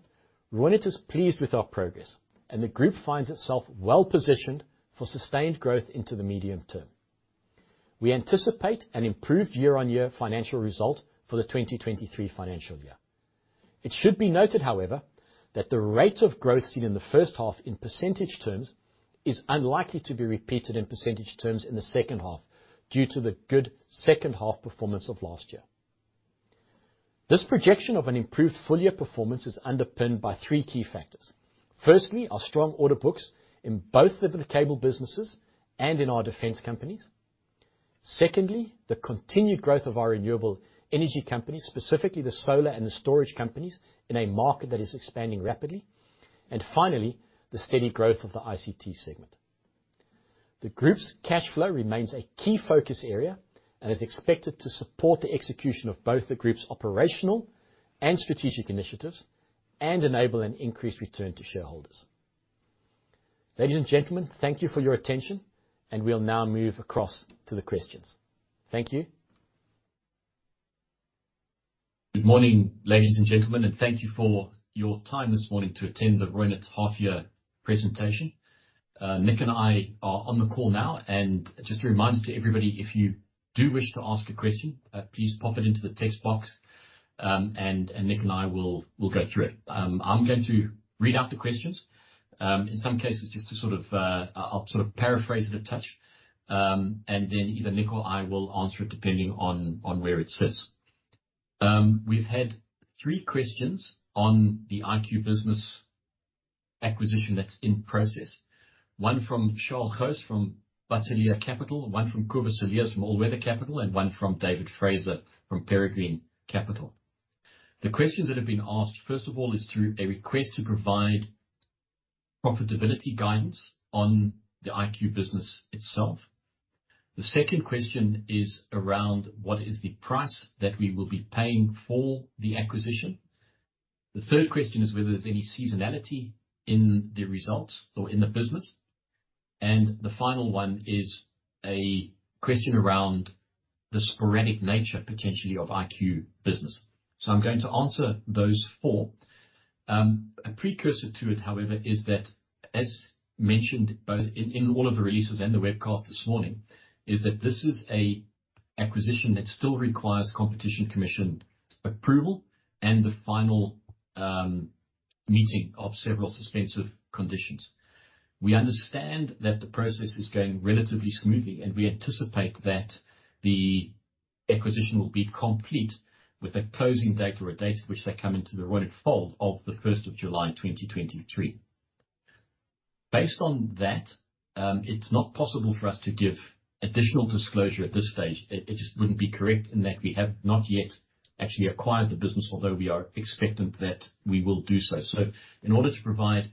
[SPEAKER 1] Reunert is pleased with our progress, and the group finds itself well-positioned for sustained growth into the medium term. We anticipate an improved year-on-year financial result for the 2023 financial year. It should be noted, however, that the rate of growth seen in the H1 in percentage terms is unlikely to be repeated in percentage terms in the H2, due to the good H2 performance of last year. This projection of an improved full-year performance is underpinned by three key factors. Firstly, our strong order books in both the cable businesses and in our defense companies. Secondly, the continued growth of our renewable energy companies, specifically the solar and the storage companies, in a market that is expanding rapidly. Finally, the steady growth of the ICT segment. The group's cash flow remains a key focus area and is expected to support the execution of both the group's operational and strategic initiatives, and enable an increased return to shareholders. Ladies and gentlemen, thank you for your attention, and we'll now move across to the questions. Thank you. Good morning, ladies and gentlemen, and thank you for your time this morning to attend the Reunert's half year presentation. Nick and I are on the call now, and just a reminder to everybody, if you do wish to ask a question, please pop it into the text box, and Nick and I will go through it. I'm going to read out the questions. In some cases just to sort of, I'll sort of paraphrase it a touch, and then either Nick or I will answer it depending on where it sits. We've had three questions on the IQbusiness acquisition that's in process. One from Charles Gost, from Bateleur Capital, one from Kobus Cilliers, from All-Weather Capital, and one from David Fraser, from Peregrine Capital. The questions that have been asked, first of all, is through a request to provide profitability guidance on the IQbusiness itself. The second question is around what is the price that we will be paying for the acquisition? The third question is whether there's any seasonality in the results or in the business. The final one is a question around the sporadic nature, potentially, of IQbusiness. I'm going to answer those four. A precursor to it, however, is that, as mentioned, both in all of the releases and the webcast this morning, is that this is an acquisition that still requires Competition Commission approval and the final meeting of several suspensive conditions. We understand that the process is going relatively smoothly, we anticipate that the acquisition will be complete with a closing date or a date at which they come into the Reunert fold of the 1st of July 2023. Based on that, it's not possible for us to give additional disclosure at this stage. It just wouldn't be correct in that we have not yet actually acquired the business, although we are expectant that we will do so. In order to provide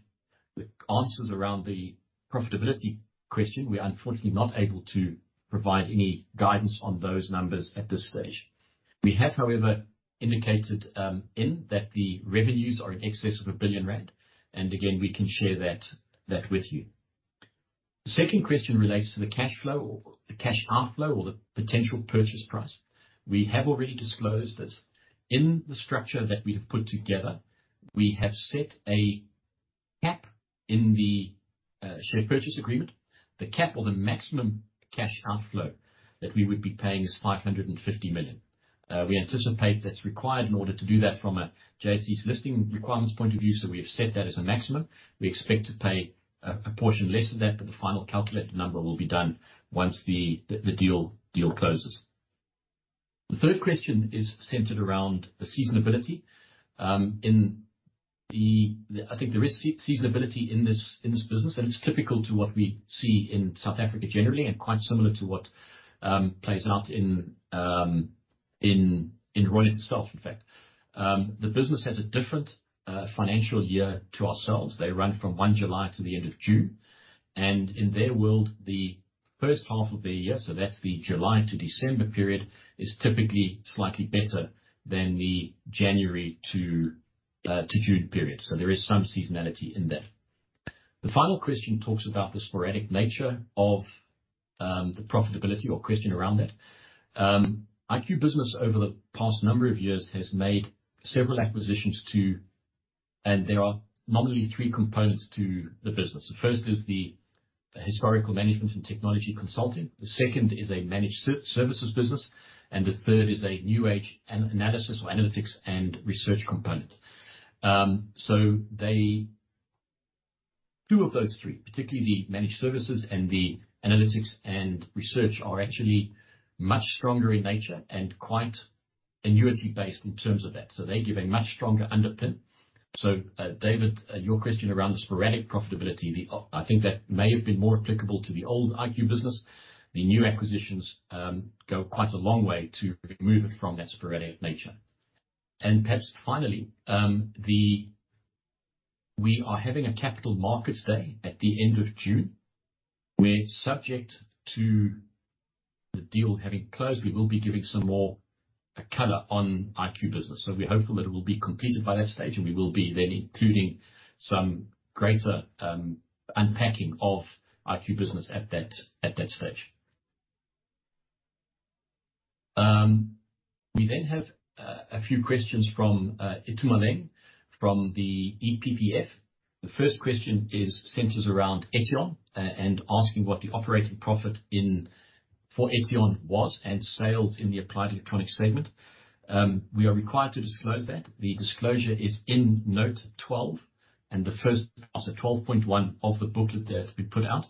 [SPEAKER 1] the answers around the profitability question, we are unfortunately not able to provide any guidance on those numbers at this stage. We have, however, indicated in that the revenues are in excess of 1 billion rand, and again, we can share that with you. The second question relates to the cash flow or the cash outflow or the potential purchase price. We have already disclosed this. In the structure that we have put together, we have set a cap in the share purchase agreement. The cap or the maximum cash outflow that we would be paying is 550 million. We anticipate that's required in order to do that from a JSE's listing requirements point of view, so we have set that as a maximum. We expect to pay a portion less than that, but the final calculated number will be done once the deal closes. The third question is centered around the seasonability. I think there is seasonability in this business, it's typical to what we see in South Africa generally, quite similar to what plays out in Reunert itself, in fact. The business has a different financial year to ourselves. They run from 1 July to the end of June, in their world, the H1 of the year, so that's the July to December period, is typically slightly better than the January to June period. There is some seasonality in that. The final question talks about the sporadic nature of the profitability or question around that. IQbusiness over the past number of years has made several acquisitions, there are normally three components to the business. The first is the historical management and technology consulting, the second is a managed services business, and the third is a new age analysis or analytics and research component. Two of those three, particularly the managed services and the analytics and research, are actually much stronger in nature and quite annuity-based in terms of that, they give a much stronger underpin. David, your question around the sporadic profitability, I think that may have been more applicable to the old IQbusiness. The new acquisitions go quite a long way to remove it from that sporadic nature. Perhaps finally, We are having a capital markets day at the end of June, where, subject to the deal having closed, we will be giving some more color on IQbusiness. We're hopeful that it will be completed by that stage, and we will be then including some greater unpacking of IQbusiness at that stage. We then have a few questions from Itumeleng, from the EPPF. The first question is centers around Etion and asking what the operating profit for Etion was, and sales in the Applied Electronics segment. We are required to disclose that. The disclosure is in note 12, and So 12.1 of the booklet that had to be put out.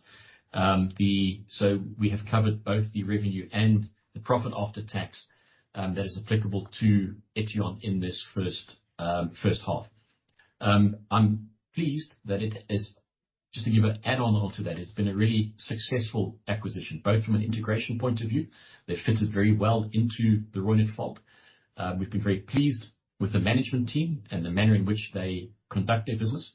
[SPEAKER 1] We have covered both the revenue and the profit after tax that is applicable to Etion in this H1. I'm pleased that it is, just to give an add-on to that, it's been a really successful acquisition, both from an integration point of view, they fitted very well into the Reunert folk. We've been very pleased with the management team and the manner in which they conduct their business.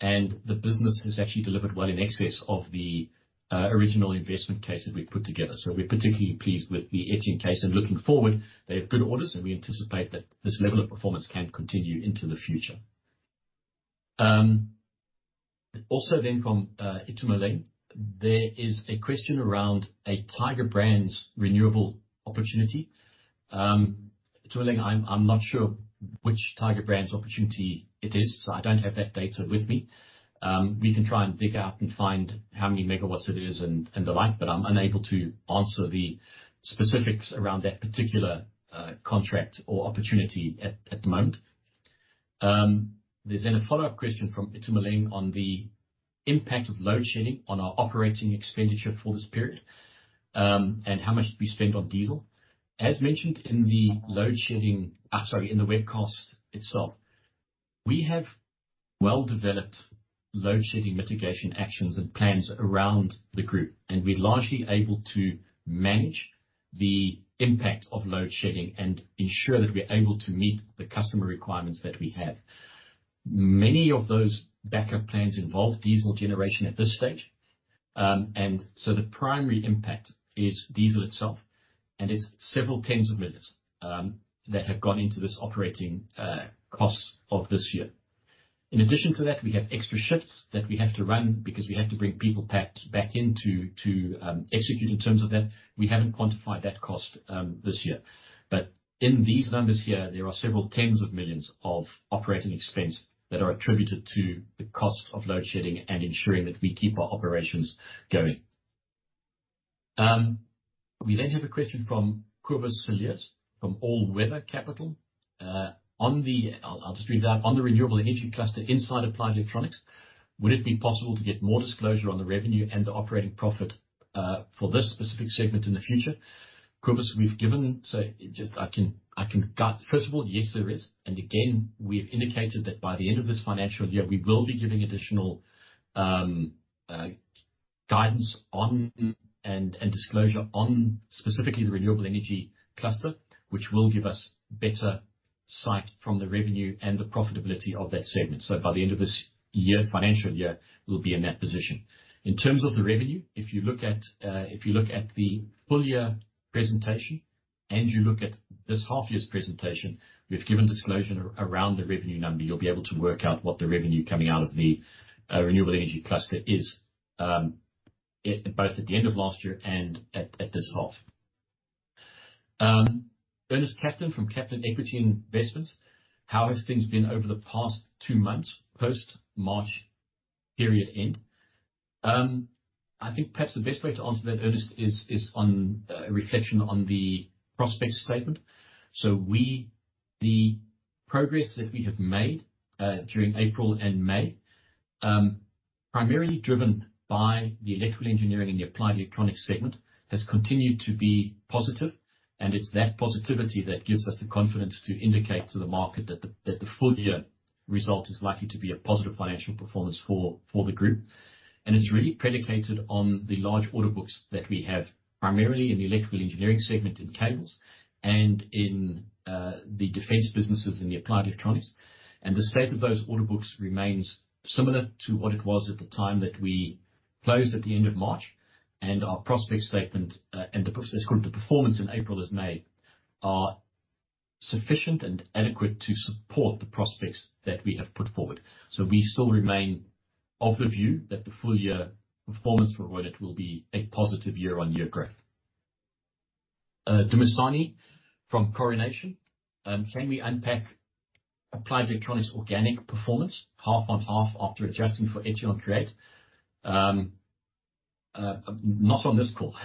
[SPEAKER 1] The business has actually delivered well in excess of the original investment case that we put together. We're particularly pleased with the Etion case, and looking forward, they have good orders, and we anticipate that this level of performance can continue into the future. Also then from Itumeleng, there is a question around a Tiger Brands renewable opportunity. Itumeleng, I'm not sure which Tiger Brands opportunity it is, so I don't have that data with me. We can try and dig out and find how many megawatts it is and the like, but I'm unable to answer the specifics around that particular contract or opportunity at the moment. There's then a follow-up question from Itumeleng on the impact of load shedding on our operating expenditure for this period. How much did we spend on diesel? As mentioned in the webcast itself, we have well-developed load shedding mitigation actions and plans around the group, and we're largely able to manage the impact of load shedding and ensure that we're able to meet the customer requirements that we have. Many of those backup plans involve diesel generation at this stage. The primary impact is diesel itself, and it's several ZAR tens of millions that have gone into this operating costs of this year. In addition to that, we have extra shifts that we have to run because we have to bring people back in to execute in terms of that. We haven't quantified that cost this year. In these numbers here, there are several ZAR tens of millions of operating expense that are attributed to the cost of load shedding and ensuring that we keep our operations going. We have a question from Kobus Cilliers, from All Weather Capital. On the... I'll just read it out, "On the renewable energy cluster inside Applied Electronics, would it be possible to get more disclosure on the revenue and the operating profit for this specific segment in the future?" Kobus, we've given, so just I can First of all, yes, there is. Again, we've indicated that by the end of this financial year, we will be giving additional guidance on and disclosure on specifically the renewable energy cluster, which will give us better sight from the revenue and the profitability of that segment. By the end of this year, financial year, we'll be in that position. In terms of the revenue, if you look at, if you look at the full year presentation and you look at this half year's presentation, we've given disclosure around the revenue number. You'll be able to work out what the revenue coming out of the renewable energy cluster is, both at the end of last year and at this half. Irnest Kaplan from Kaplan Equity Analysts: "How have things been over the past two months, post-March period end?" I think perhaps the best way to answer that, Irnest, is on a reflection on the prospects statement. The progress that we have made during April and May, primarily driven by the Electrical Engineering and the Applied Electronics segment, has continued to be positive, and it's that positivity that gives us the confidence to indicate to the market that the full year result is likely to be a positive financial performance for the group. It's really predicated on the large order books that we have, primarily in the Electrical Engineering segment, in cables, and in the defense businesses in the Applied Electronics. The state of those order books remains similar to what it was at the time that we closed at the end of March, and our prospects statement, and the... Let's call it, the performance in April and May, are sufficient and adequate to support the prospects that we have put forward. We still remain of the view that the full year performance for Reunert will be a positive year-on-year growth. Dumisani from Coronation. "Can we unpack Applied Electronics' organic performance half-on-half after adjusting for Etion Create?" Not on this call.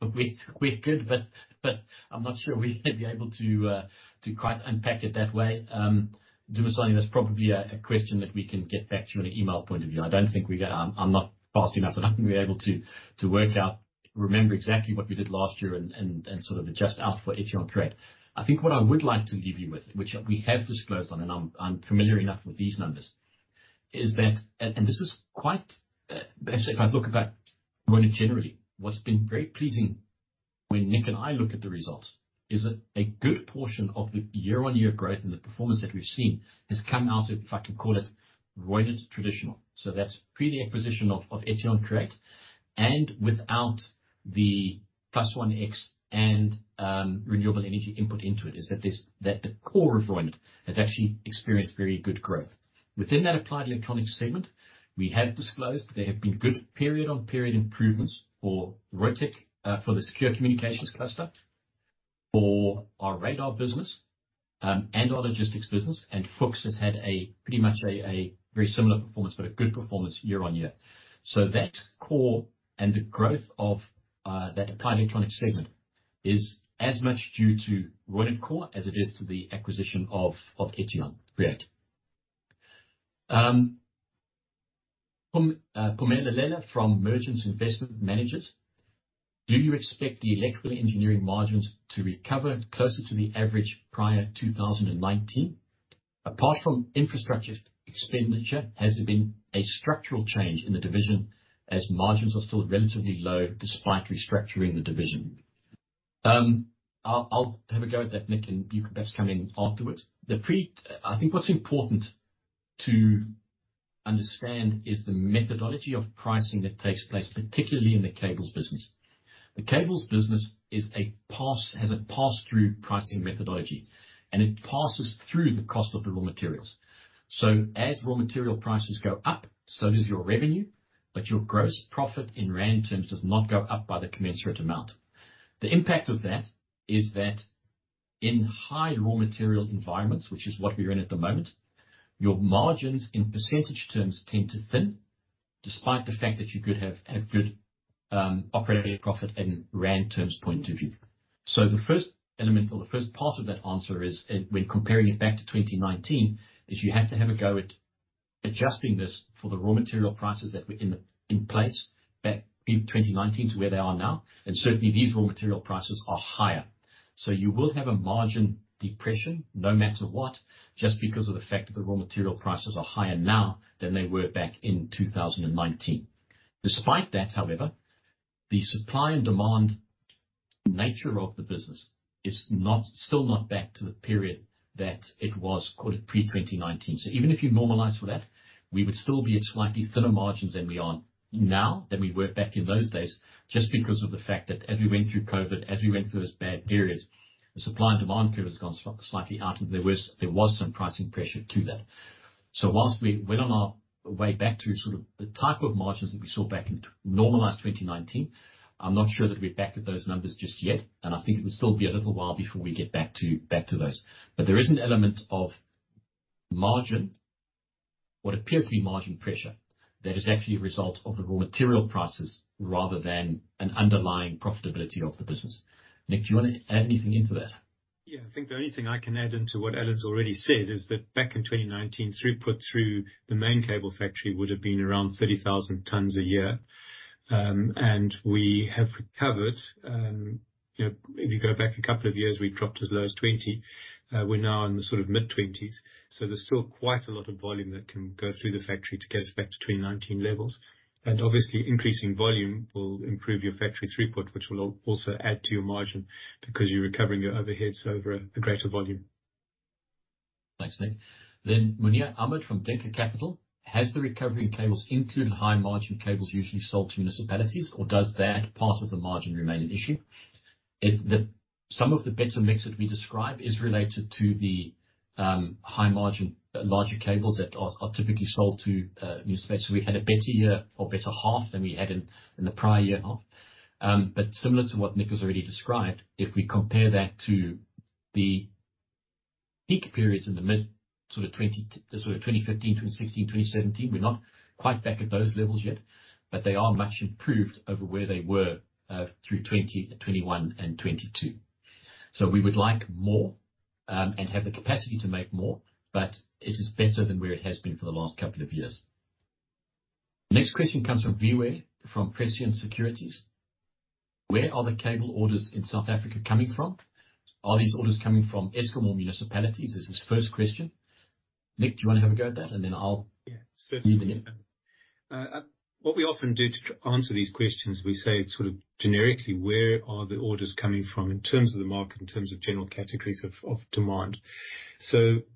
[SPEAKER 1] We're good, but I'm not sure we're gonna be able to quite unpack it that way. Dumisani, that's probably a question that we can get back to you on an email point of view. I don't think we got. I'm not fast enough, and I'm gonna be able to work out, remember exactly what we did last year and sort of adjust out for Etion Create. I think what I would like to leave you with, which we have disclosed on, and I'm familiar enough with these numbers, is that. This is quite, actually, if I look about Reunert generally, what's been very pleasing when Nick and I look at the results, is that a good portion of the year-on-year growth and the performance that we've seen has come out of, if I can call it, Reunert traditional. That's pre the acquisition of Etion, correct? Without the PlusOneX and renewable energy input into it, the core of Reunert has actually experienced very good growth. Within that Applied Electronics segment, we have disclosed there have been good period-on-period improvements for Reutech, for the secure communications cluster, for our radar business, and our logistics business. Fuchs has had a pretty much a very similar performance, but a good performance year-on-year. So that core and the growth of that Applied Electronics segment is as much due to Reunert Core as it is to the acquisition of Etion Create. From Pamela Nkuna, from Mergence Investment Managers: "Do you expect the Electrical Engineering margins to recover closer to the average prior to 2019? Apart from infrastructure expenditure, has there been a structural change in the division as margins are still relatively low despite restructuring the division? I'll have a go at that, Nick, and you can perhaps come in afterwards. I think what's important to understand is the methodology of pricing that takes place, particularly in the cables business. The cables business has a pass-through pricing methodology, and it passes through the cost of the raw materials. As raw material prices go up, so does your revenue, but your gross profit in ZAR terms does not go up by the commensurate amount. The impact of that is that in high raw material environments, which is what we're in at the moment, your margins in percentage terms tend to thin, despite the fact that you could have good operating profit and ZAR terms point of view. The first element, or the first part of that answer, is when comparing it back to 2019, is you have to have a go at adjusting this for the raw material prices that were in place back in 2019 to where they are now. Certainly, these raw material prices are higher. You will have a margin depression no matter what, just because of the fact that the raw material prices are higher now than they were back in 2019. Despite that, however, the supply and demand nature of the business is not, still not back to the period that it was, call it, pre-2019. So even if you normalize for that, we would still be at slightly thinner margins than we are now than we were back in those days, just because of the fact that as we went through COVID, as we went through those bad periods, the supply and demand period has gone slightly out, and there was some pricing pressure to that. So whilst we're on our way back to sort of the type of margins that we saw back in normalized 2019, I'm not sure that we're back at those numbers just yet, and I think it will still be a little while before we get back to, back to those. There is an element of margin, what appears to be margin pressure, that is actually a result of the raw material prices rather than an underlying profitability of the business. Nick, do you want to add anything into that?
[SPEAKER 2] Yeah, I think the only thing I can add into what Alan's already said is that back in 2019, throughput through the main cable factory would have been around 30,000 tons a year. We have recovered, you know, if you go back a couple of years, we dropped as low as 20. We're now in the sort of mid-20s, so there's still quite a lot of volume that can go through the factory to get us back to 2019 levels. Obviously, increasing volume will improve your factory throughput, which will also add to your margin because you're recovering your overheads over a greater volume.
[SPEAKER 1] Thanks, Nick. Muneer Ahmed from Denker Capital: "Has the recovery in cables included high-margin cables usually sold to municipalities, or does that part of the margin remain an issue?" Some of the better mix that we describe is related to the high-margin, larger cables that are typically sold to municipalities. We had a better year or better half than we had in the prior year half. Similar to what Nick has already described, if we compare that to the peak periods in the mid 2015, 2016, 2017, we're not quite back at those levels yet, but they are much improved over where they were through 2020, 2021, and 2022. We would like more, and have the capacity to make more, but it is better than where it has been for the last couple of years. Next question comes from Viwe, from Prescient Securities: "Where are the cable orders in South Africa coming from? Are these orders coming from Eskom or municipalities?" This is his first question. Nick, do you want to have a go at that? Then I'll.
[SPEAKER 2] Yeah, certainly.
[SPEAKER 1] Give it to you.
[SPEAKER 2] What we often do to answer these questions, we say sort of generically, where are the orders coming from in terms of the market, in terms of general categories of demand.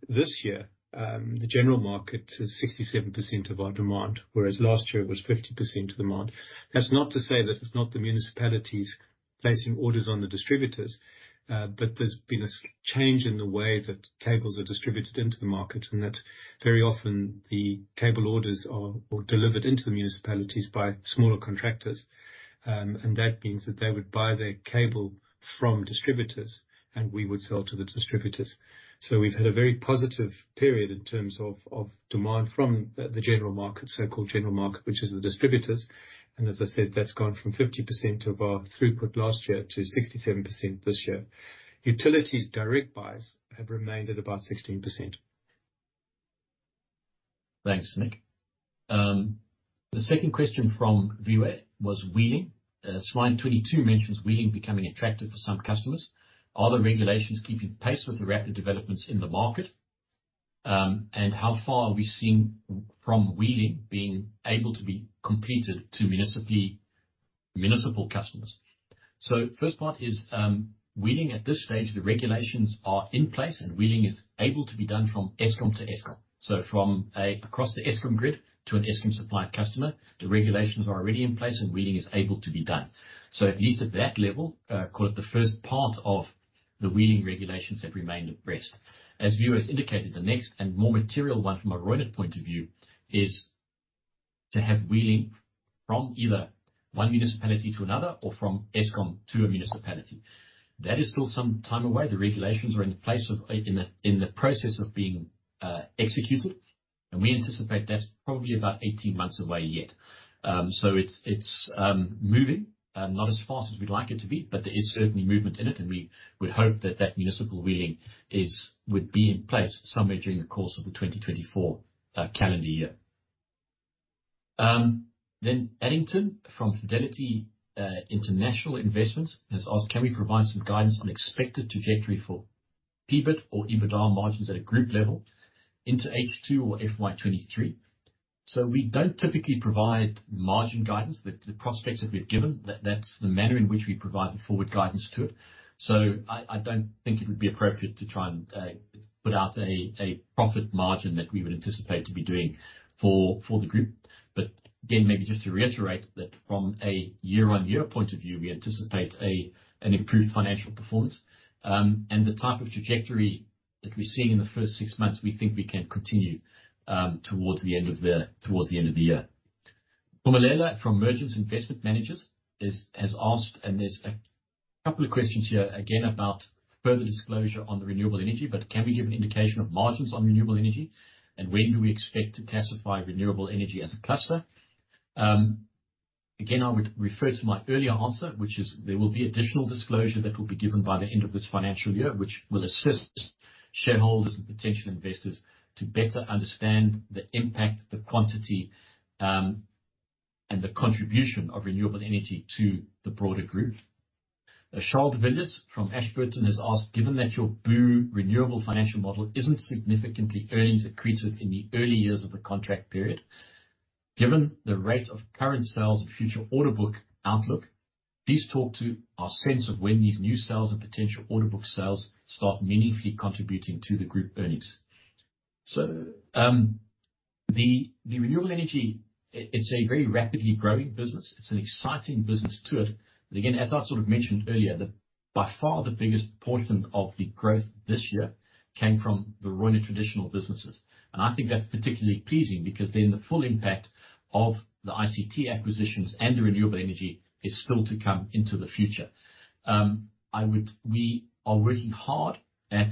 [SPEAKER 2] This year, the general market is 67% of our demand, whereas last year it was 50% of demand. That's not to say that it's not the municipalities placing orders on the distributors, but there's been a change in the way that cables are distributed into the market, and that very often the cable orders are delivered into the municipalities by smaller contractors. That means that they would buy their cable from distributors, and we would sell to the distributors. We've had a very positive period in terms of demand from the general market, so-called general market, which is the distributors, and as I said, that's gone from 50% of our throughput last year to 67% this year. Utilities direct buys have remained at about 16%.
[SPEAKER 1] Thanks, Nick. The second question from Viwe was wheeling. Slide 22 mentions wheeling becoming attractive for some customers. "Are the regulations keeping pace with the rapid developments in the market?... and how far are we seeing from wheeling being able to be completed to municipal customers?" First part is wheeling. At this stage, the regulations are in place, and wheeling is able to be done from Eskom to Eskom. Across the Eskom grid to an Eskom supplied customer, the regulations are already in place, and wheeling is able to be done. At least at that level, call it the first part of the wheeling regulations have remained abreast. As Viwe indicated, the next and more material one from a Reunert point of view, is to have wheeling from either one municipality to another or from Eskom to a municipality. That is still some time away. The regulations are in place, in the process of being executed, we anticipate that's probably about 18 months away yet. It's moving not as fast as we'd like it to be, but there is certainly movement in it, we would hope that municipal wheeling would be in place somewhere during the course of the 2024 calendar year. Addington from Fidelity International Investments has asked: Can we provide some guidance on expected trajectory for PBIT or EBITDA margins at a group level into H2 or FY23? We don't typically provide margin guidance. The prospects that we've given, that's the manner in which we provide the forward guidance to it. I don't think it would be appropriate to try and put out a profit margin that we would anticipate to be doing for the group. Again, maybe just to reiterate that from a year-on-year point of view, we anticipate an improved financial performance. The type of trajectory that we're seeing in the first 6 months, we think we can continue towards the end of the year. Bomaleba from Mergence Investment Managers has asked, and there's a couple of questions here, again, about further disclosure on the renewable energy, but can we give an indication of margins on renewable energy, and when do we expect to classify renewable energy as a cluster? Again, I would refer to my earlier answer, which is there will be additional disclosure that will be given by the end of this financial year, which will assist shareholders and potential investors to better understand the impact, the quantity, and the contribution of renewable energy to the broader group. Charles Willis from Ashburton has asked: Given that your blue renewable financial model isn't significantly earnings accretive in the early years of the contract period, given the rate of current sales and future order book outlook, please talk to our sense of when these new sales and potential order book sales start meaningfully contributing to the group earnings. The, the renewable energy, it's a very rapidly growing business. It's an exciting business to it. Again, as I sort of mentioned earlier, the, by far, the biggest portion of the growth this year came from the Reunert traditional businesses. I think that's particularly pleasing, because then the full impact of the ICT acquisitions and the renewable energy is still to come into the future. We are working hard at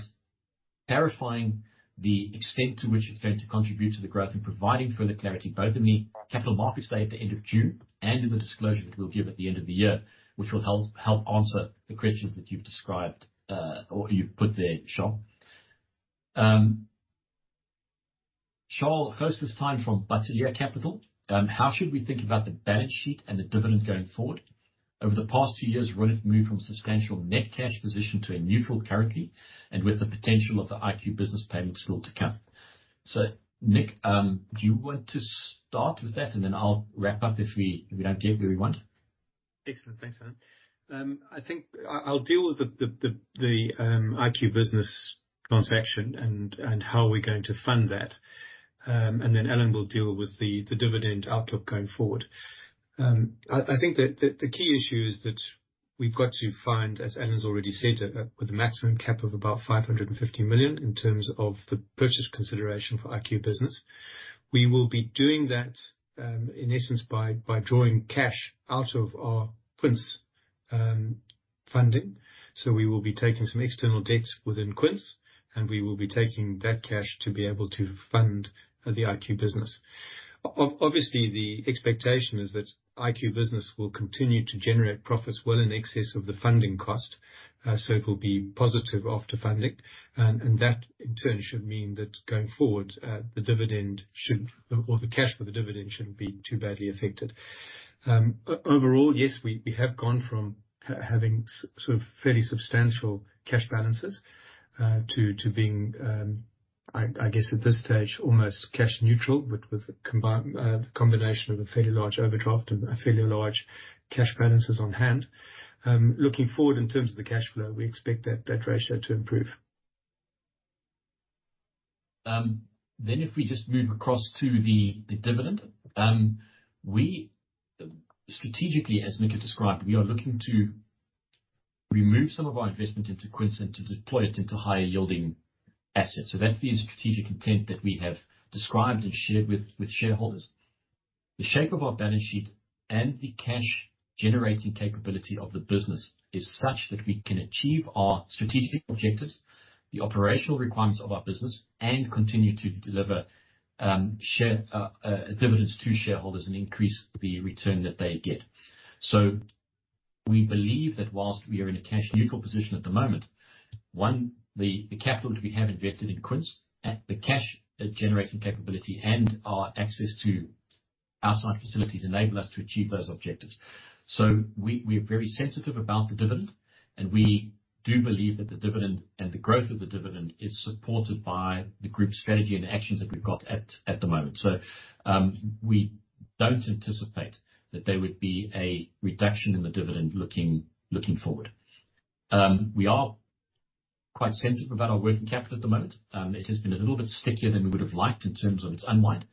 [SPEAKER 1] clarifying the extent to which it's going to contribute to the growth in providing further clarity, both in the capital markets day at the end of June and in the disclosure that we'll give at the end of the year, which will help answer the questions that you've described or you've put there, Charles. Charles, first this time from Bateleur Capital: How should we think about the balance sheet and the dividend going forward? Over the past two years, Reunert moved from a substantial net cash position to a neutral currently, and with the potential of the IQbusiness payments still to come. Nick, do you want to start with that, and then I'll wrap up if we don't get where we want?
[SPEAKER 2] Excellent. Thanks, Alan. I think I'll deal with the IQbusiness transaction and how we're going to fund that, and then Alan will deal with the dividend outlook going forward. I think that the key issue is that we've got to find, as Alan's already said, with a maximum cap of about 550 million in terms of the purchase consideration for IQbusiness. We will be doing that, in essence, by drawing cash out of our Quince funding. We will be taking some external debts within Quince, and we will be taking that cash to be able to fund the IQbusiness. Obviously, the expectation is that IQbusiness will continue to generate profits well in excess of the funding cost, so it will be positive after funding. That, in turn, should mean that going forward, the dividend should, or the cash for the dividend shouldn't be too badly affected. Overall, yes, we have gone from having sort of fairly substantial cash balances, to being, I guess, at this stage, almost cash neutral, but with the combination of a fairly large overdraft and a fairly large cash balances on hand. Looking forward in terms of the cash flow, we expect that ratio to improve.
[SPEAKER 1] Strategically, as Nick has described, we are looking to remove some of our investment into Quince and to deploy it into higher-yielding assets. That's the strategic intent that we have described and shared with shareholders. The shape of our balance sheet and the cash generating capability of the business is such that we can achieve our strategic objectives, the operational requirements of our business, and continue to deliver dividends to shareholders and increase the return that they get. We believe that whilst we are in a cash neutral position at the moment, one, the capital that we have invested in Quince, the cash generating capability and our access to outside facilities enable us to achieve those objectives. We're very sensitive about the dividend, and we do believe that the dividend and the growth of the dividend is supported by the group's strategy and the actions that we've got at the moment. We don't anticipate that there would be a reduction in the dividend looking forward. We are quite sensitive about our working capital at the moment. It has been a little bit stickier than we would have liked in terms of its unwind.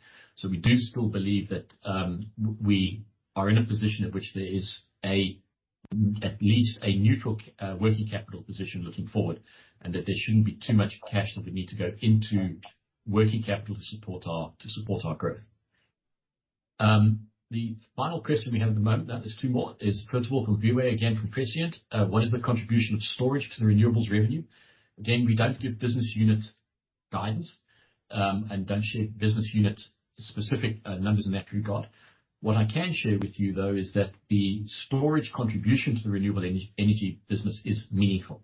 [SPEAKER 1] We do still believe that we are in a position at which there is at least a neutral working capital position looking forward, and that there shouldn't be too much cash that we need to go into working capital to support our growth. The final question we have at the moment, now there's two more, is first of all, from Viwe, again, from Prescient Securities: "What is the contribution of storage to the renewables revenue?" We don't give business units guidance, and don't share business unit-specific numbers in that regard. What I can share with you, though, is that the storage contribution to the renewable energy business is meaningful.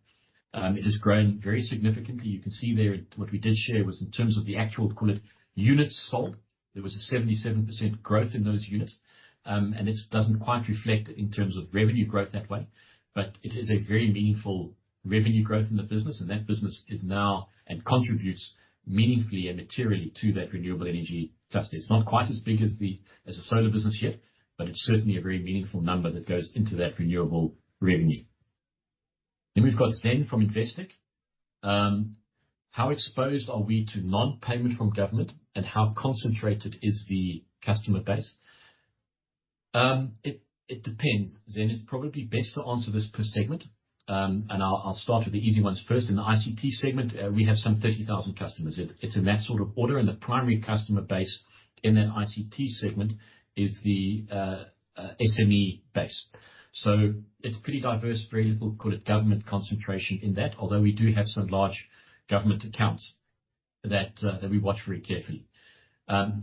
[SPEAKER 1] It has grown very significantly. You can see there, what we did share was in terms of the actual, call it, units sold. There was a 77% growth in those units. It doesn't quite reflect in terms of revenue growth that way, but it is a very meaningful revenue growth in the business, and that business is now and contributes meaningfully and materially to that renewable energy trust. It's not quite as big as the solar business yet, but it's certainly a very meaningful number that goes into that renewable revenue. We've got Zen from Investec: "How exposed are we to non-payment from government, and how concentrated is the customer base?" It depends, Zen. It's probably best to answer this per segment, and I'll start with the easy ones first. In the ICT segment, we have some 30,000 customers. It's in that sort of order, and the primary customer base in that ICT segment is the SME base. It's pretty diverse, very little, call it, government concentration in that, although we do have some large government accounts that watch very carefully.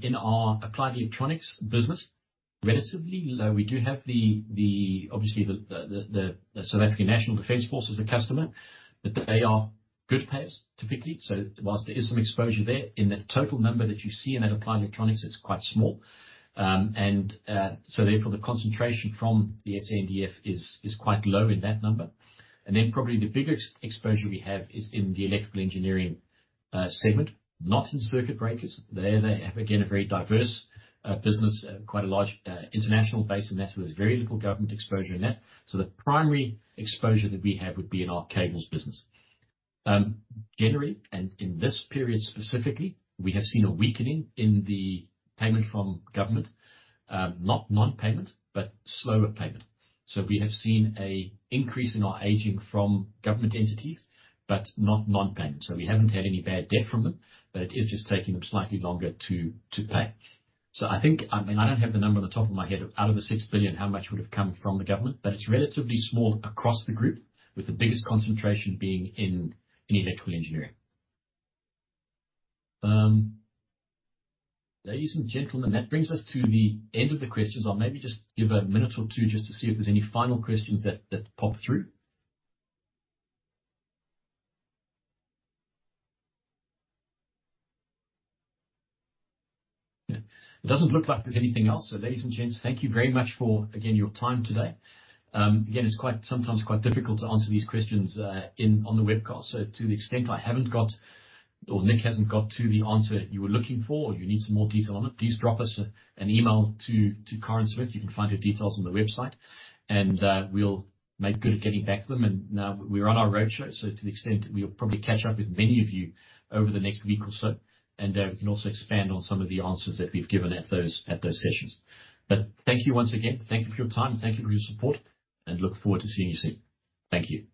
[SPEAKER 1] In our Applied Electronics business, relatively low, we do have the South African National Defence Force as a customer, but they are good payers typically. Whilst there is some exposure there, in the total number that you see in that Applied Electronics, it's quite small. Therefore, the concentration from the SANDF is quite low in that number. Probably the biggest exposure we have is in the Electrical Engineering segment, not in circuit breakers. There they have, again, a very diverse business, quite a large international base, and therefore there's very little government exposure in that. The primary exposure that we have would be in our cables business. Generally, and in this period specifically, we have seen a weakening in the payment from government, not non-payment, but slower payment. We have seen an increase in our aging from government entities, but not non-payment. We haven't had any bad debt from them, but it is just taking them slightly longer to pay. I think, I mean, I don't have the number on the top of my head, out of the 6 billion, how much would have come from the government, but it's relatively small across the group, with the biggest concentration being in Electrical Engineering. Ladies and gentlemen, that brings us to the end of the questions. I'll maybe just give a minute or two just to see if there's any final questions that pop through. Yeah. It doesn't look like there's anything else, so ladies and gents, thank you very much for, again, your time today. Again, it's quite, sometimes quite difficult to answer these questions on the webcast. To the extent I haven't got or Nick hasn't got to the answer that you were looking for, or you need some more detail on it, please drop us a, an email to Karen Smith. You can find her details on the website, and we'll make good at getting back to them. We're on our roadshow, so to the extent, we'll probably catch up with many of you over the next week or so, and we can also expand on some of the answers that we've given at those, at those sessions. Thank you once again. Thank you for your time, and thank you for your support, and look forward to seeing you soon. Thank you.